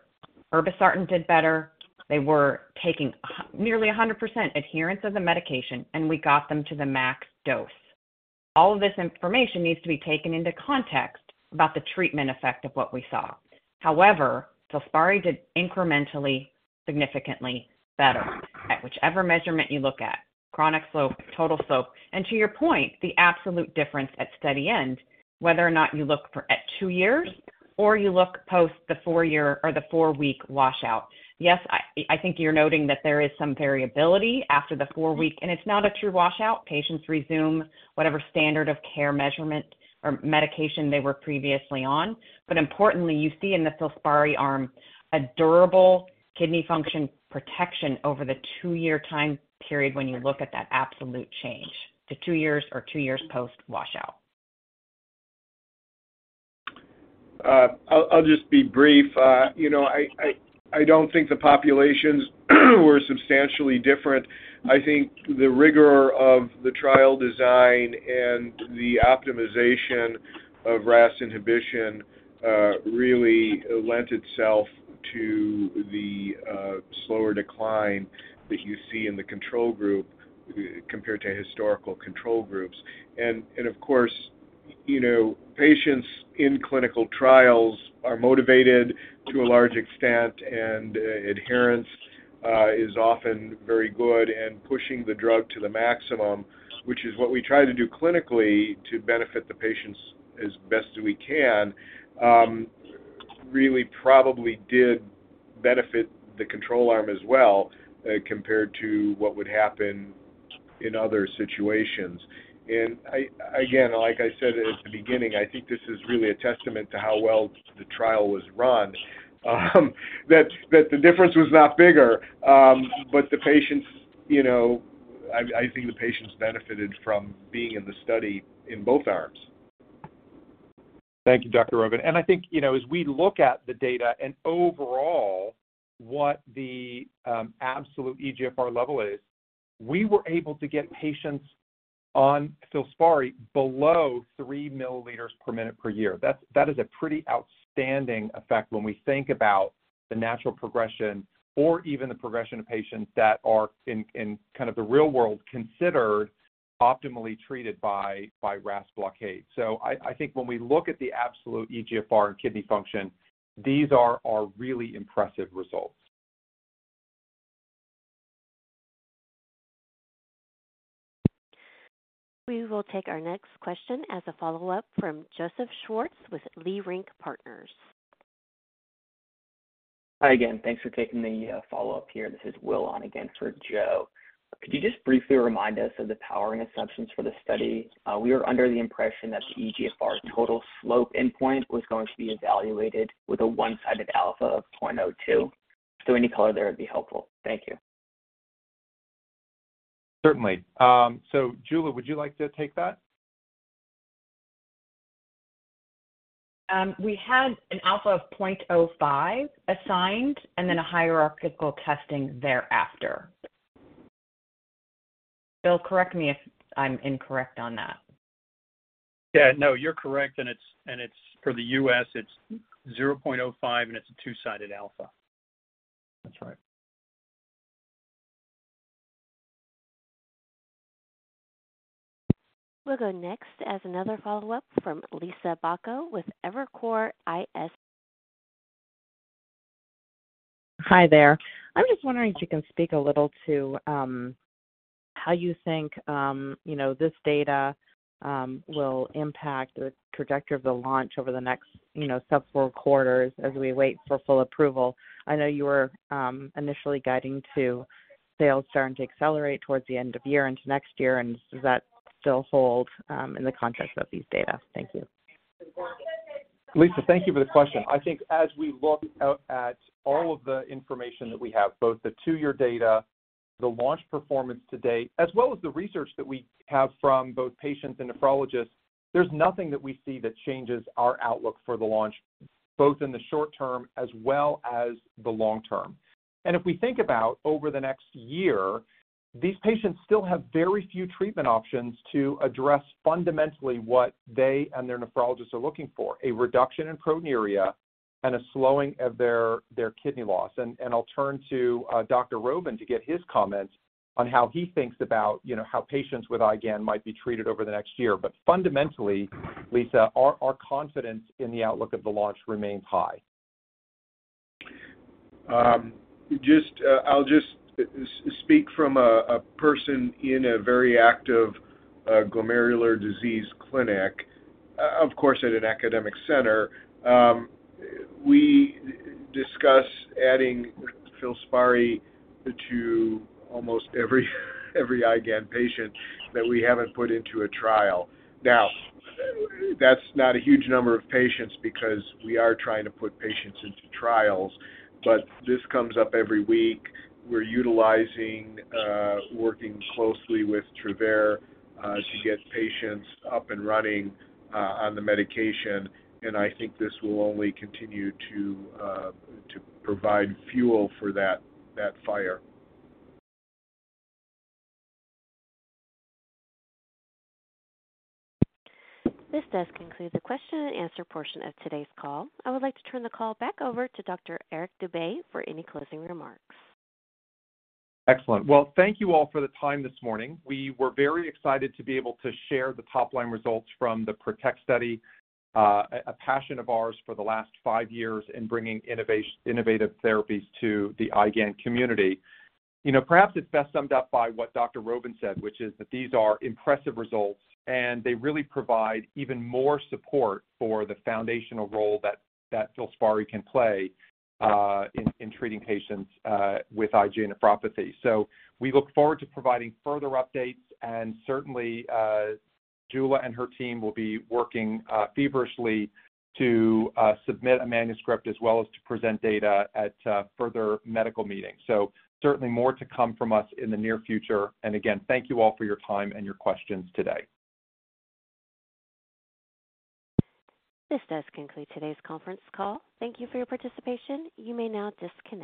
Irbesartan did better. They were taking nearly 100% adherence of the medication, and we got them to the max dose. All of this information needs to be taken into context about the treatment effect of what we saw. However, FILSPARI did incrementally significantly better at whichever measurement you look at, chronic slope, total slope, and to your point, the absolute difference at study end, whether or not you look for at two years or you look post the four-year or the four-week washout. Yes, I, I think you're noting that there is some variability after the four-week, and it's not a true washout. Patients resume whatever standard of care measurement or medication they were previously on. But importantly, you see in the FILSPARI arm a durable kidney function protection over the two-year time period when you look at that absolute change to two years or two years post-washout. I'll just be brief. You know, I don't think the populations were substantially different. I think the rigor of the trial design and the optimization of RAS inhibition really lent itself to the slower decline that you see in the control group compared to historical control groups. And of course, you know, patients in clinical trials are motivated to a large extent, and adherence is often very good, and pushing the drug to the maximum, which is what we try to do clinically to benefit the patients as best as we can, really probably did benefit the control arm as well, compared to what would happen in other situations. I, again, like I said at the beginning, I think this is really a testament to how well the trial was run, that the difference was not bigger, but the patients, you know... I think the patients benefited from being in the study in both arms. Thank you, Dr. Rovin. And I think, you know, as we look at the data and overall what the absolute eGFR level is, we were able to get patients on FILSPARI below 3mL per minute per year. That's, that is a pretty outstanding effect when we think about the natural progression or even the progression of patients that are in kind of the real world, considered optimally treated by RAS blockade. So I think when we look at the absolute eGFR and kidney function, these are really impressive results. We will take our next question as a follow-up from Joseph Schwartz with Leerink Partners. Hi again. Thanks for taking the follow-up here. This is Will on again for Joe. Could you just briefly remind us of the powering assumptions for the study? We were under the impression that the eGFR total slope endpoint was going to be evaluated with a one-sided alpha of 0.02. So any color there would be helpful. Thank you. Certainly. So Jula, would you like to take that? We had an alpha of 0.05 assigned and then a hierarchical testing thereafter. Bill, correct me if I'm incorrect on that. Yeah, no, you're correct, and it's for the U.S., it's 0.05, and it's a two-sided alpha. That's right. We'll go next as another follow-up from Liisa Bayko with Evercore ISI- Hi there. I'm just wondering if you can speak a little to how you think, you know, this data will impact the trajectory of the launch over the next, you know, several quarters as we wait for full approval. I know you were initially guiding to sales starting to accelerate towards the end of year into next year, and does that still hold in the context of these data? Thank you. Liisa, thank you for the question. I think as we look out at all of the information that we have, both the two-year data, the launch performance to date, as well as the research that we have from both patients and nephrologists, there's nothing that we see that changes our outlook for the launch, both in the short term as well as the long term. And if we think about over the next year, these patients still have very few treatment options to address fundamentally what they and their nephrologists are looking for: a reduction in proteinuria and a slowing of their, their kidney loss. And, and I'll turn to Dr. Rovin to get his comments on how he thinks about, you know, how patients with IgAN might be treated over the next year. But fundamentally, Liisa, our, our confidence in the outlook of the launch remains high. Just, I'll just speak from a person in a very active glomerular disease clinic, of course, at an academic center. We discuss adding FILSPARI to almost every IgAN patient that we haven't put into a trial. Now, that's not a huge number of patients because we are trying to put patients into trials, but this comes up every week. We're utilizing, working closely with Travere, to get patients up and running on the medication, and I think this will only continue to provide fuel for that fire. This does conclude the question and answer portion of today's call. I would like to turn the call back over to Dr. Eric Dube for any closing remarks. Excellent. Well, thank you all for the time this morning. We were very excited to be able to share the top-line results from the PROTECT study, a passion of ours for the last five years in bringing innovative therapies to the IgAN community. You know, perhaps it's best summed up by what Dr. Rovin said, which is that these are impressive results, and they really provide even more support for the foundational role that FILSPARI can play, in treating patients with IgA nephropathy. So we look forward to providing further updates, and certainly, Jula and her team will be working feverishly to submit a manuscript as well as to present data at further medical meetings. So certainly more to come from us in the near future. And again, thank you all for your time and your questions today. This does conclude today's conference call. Thank you for your participation. You may now disconnect.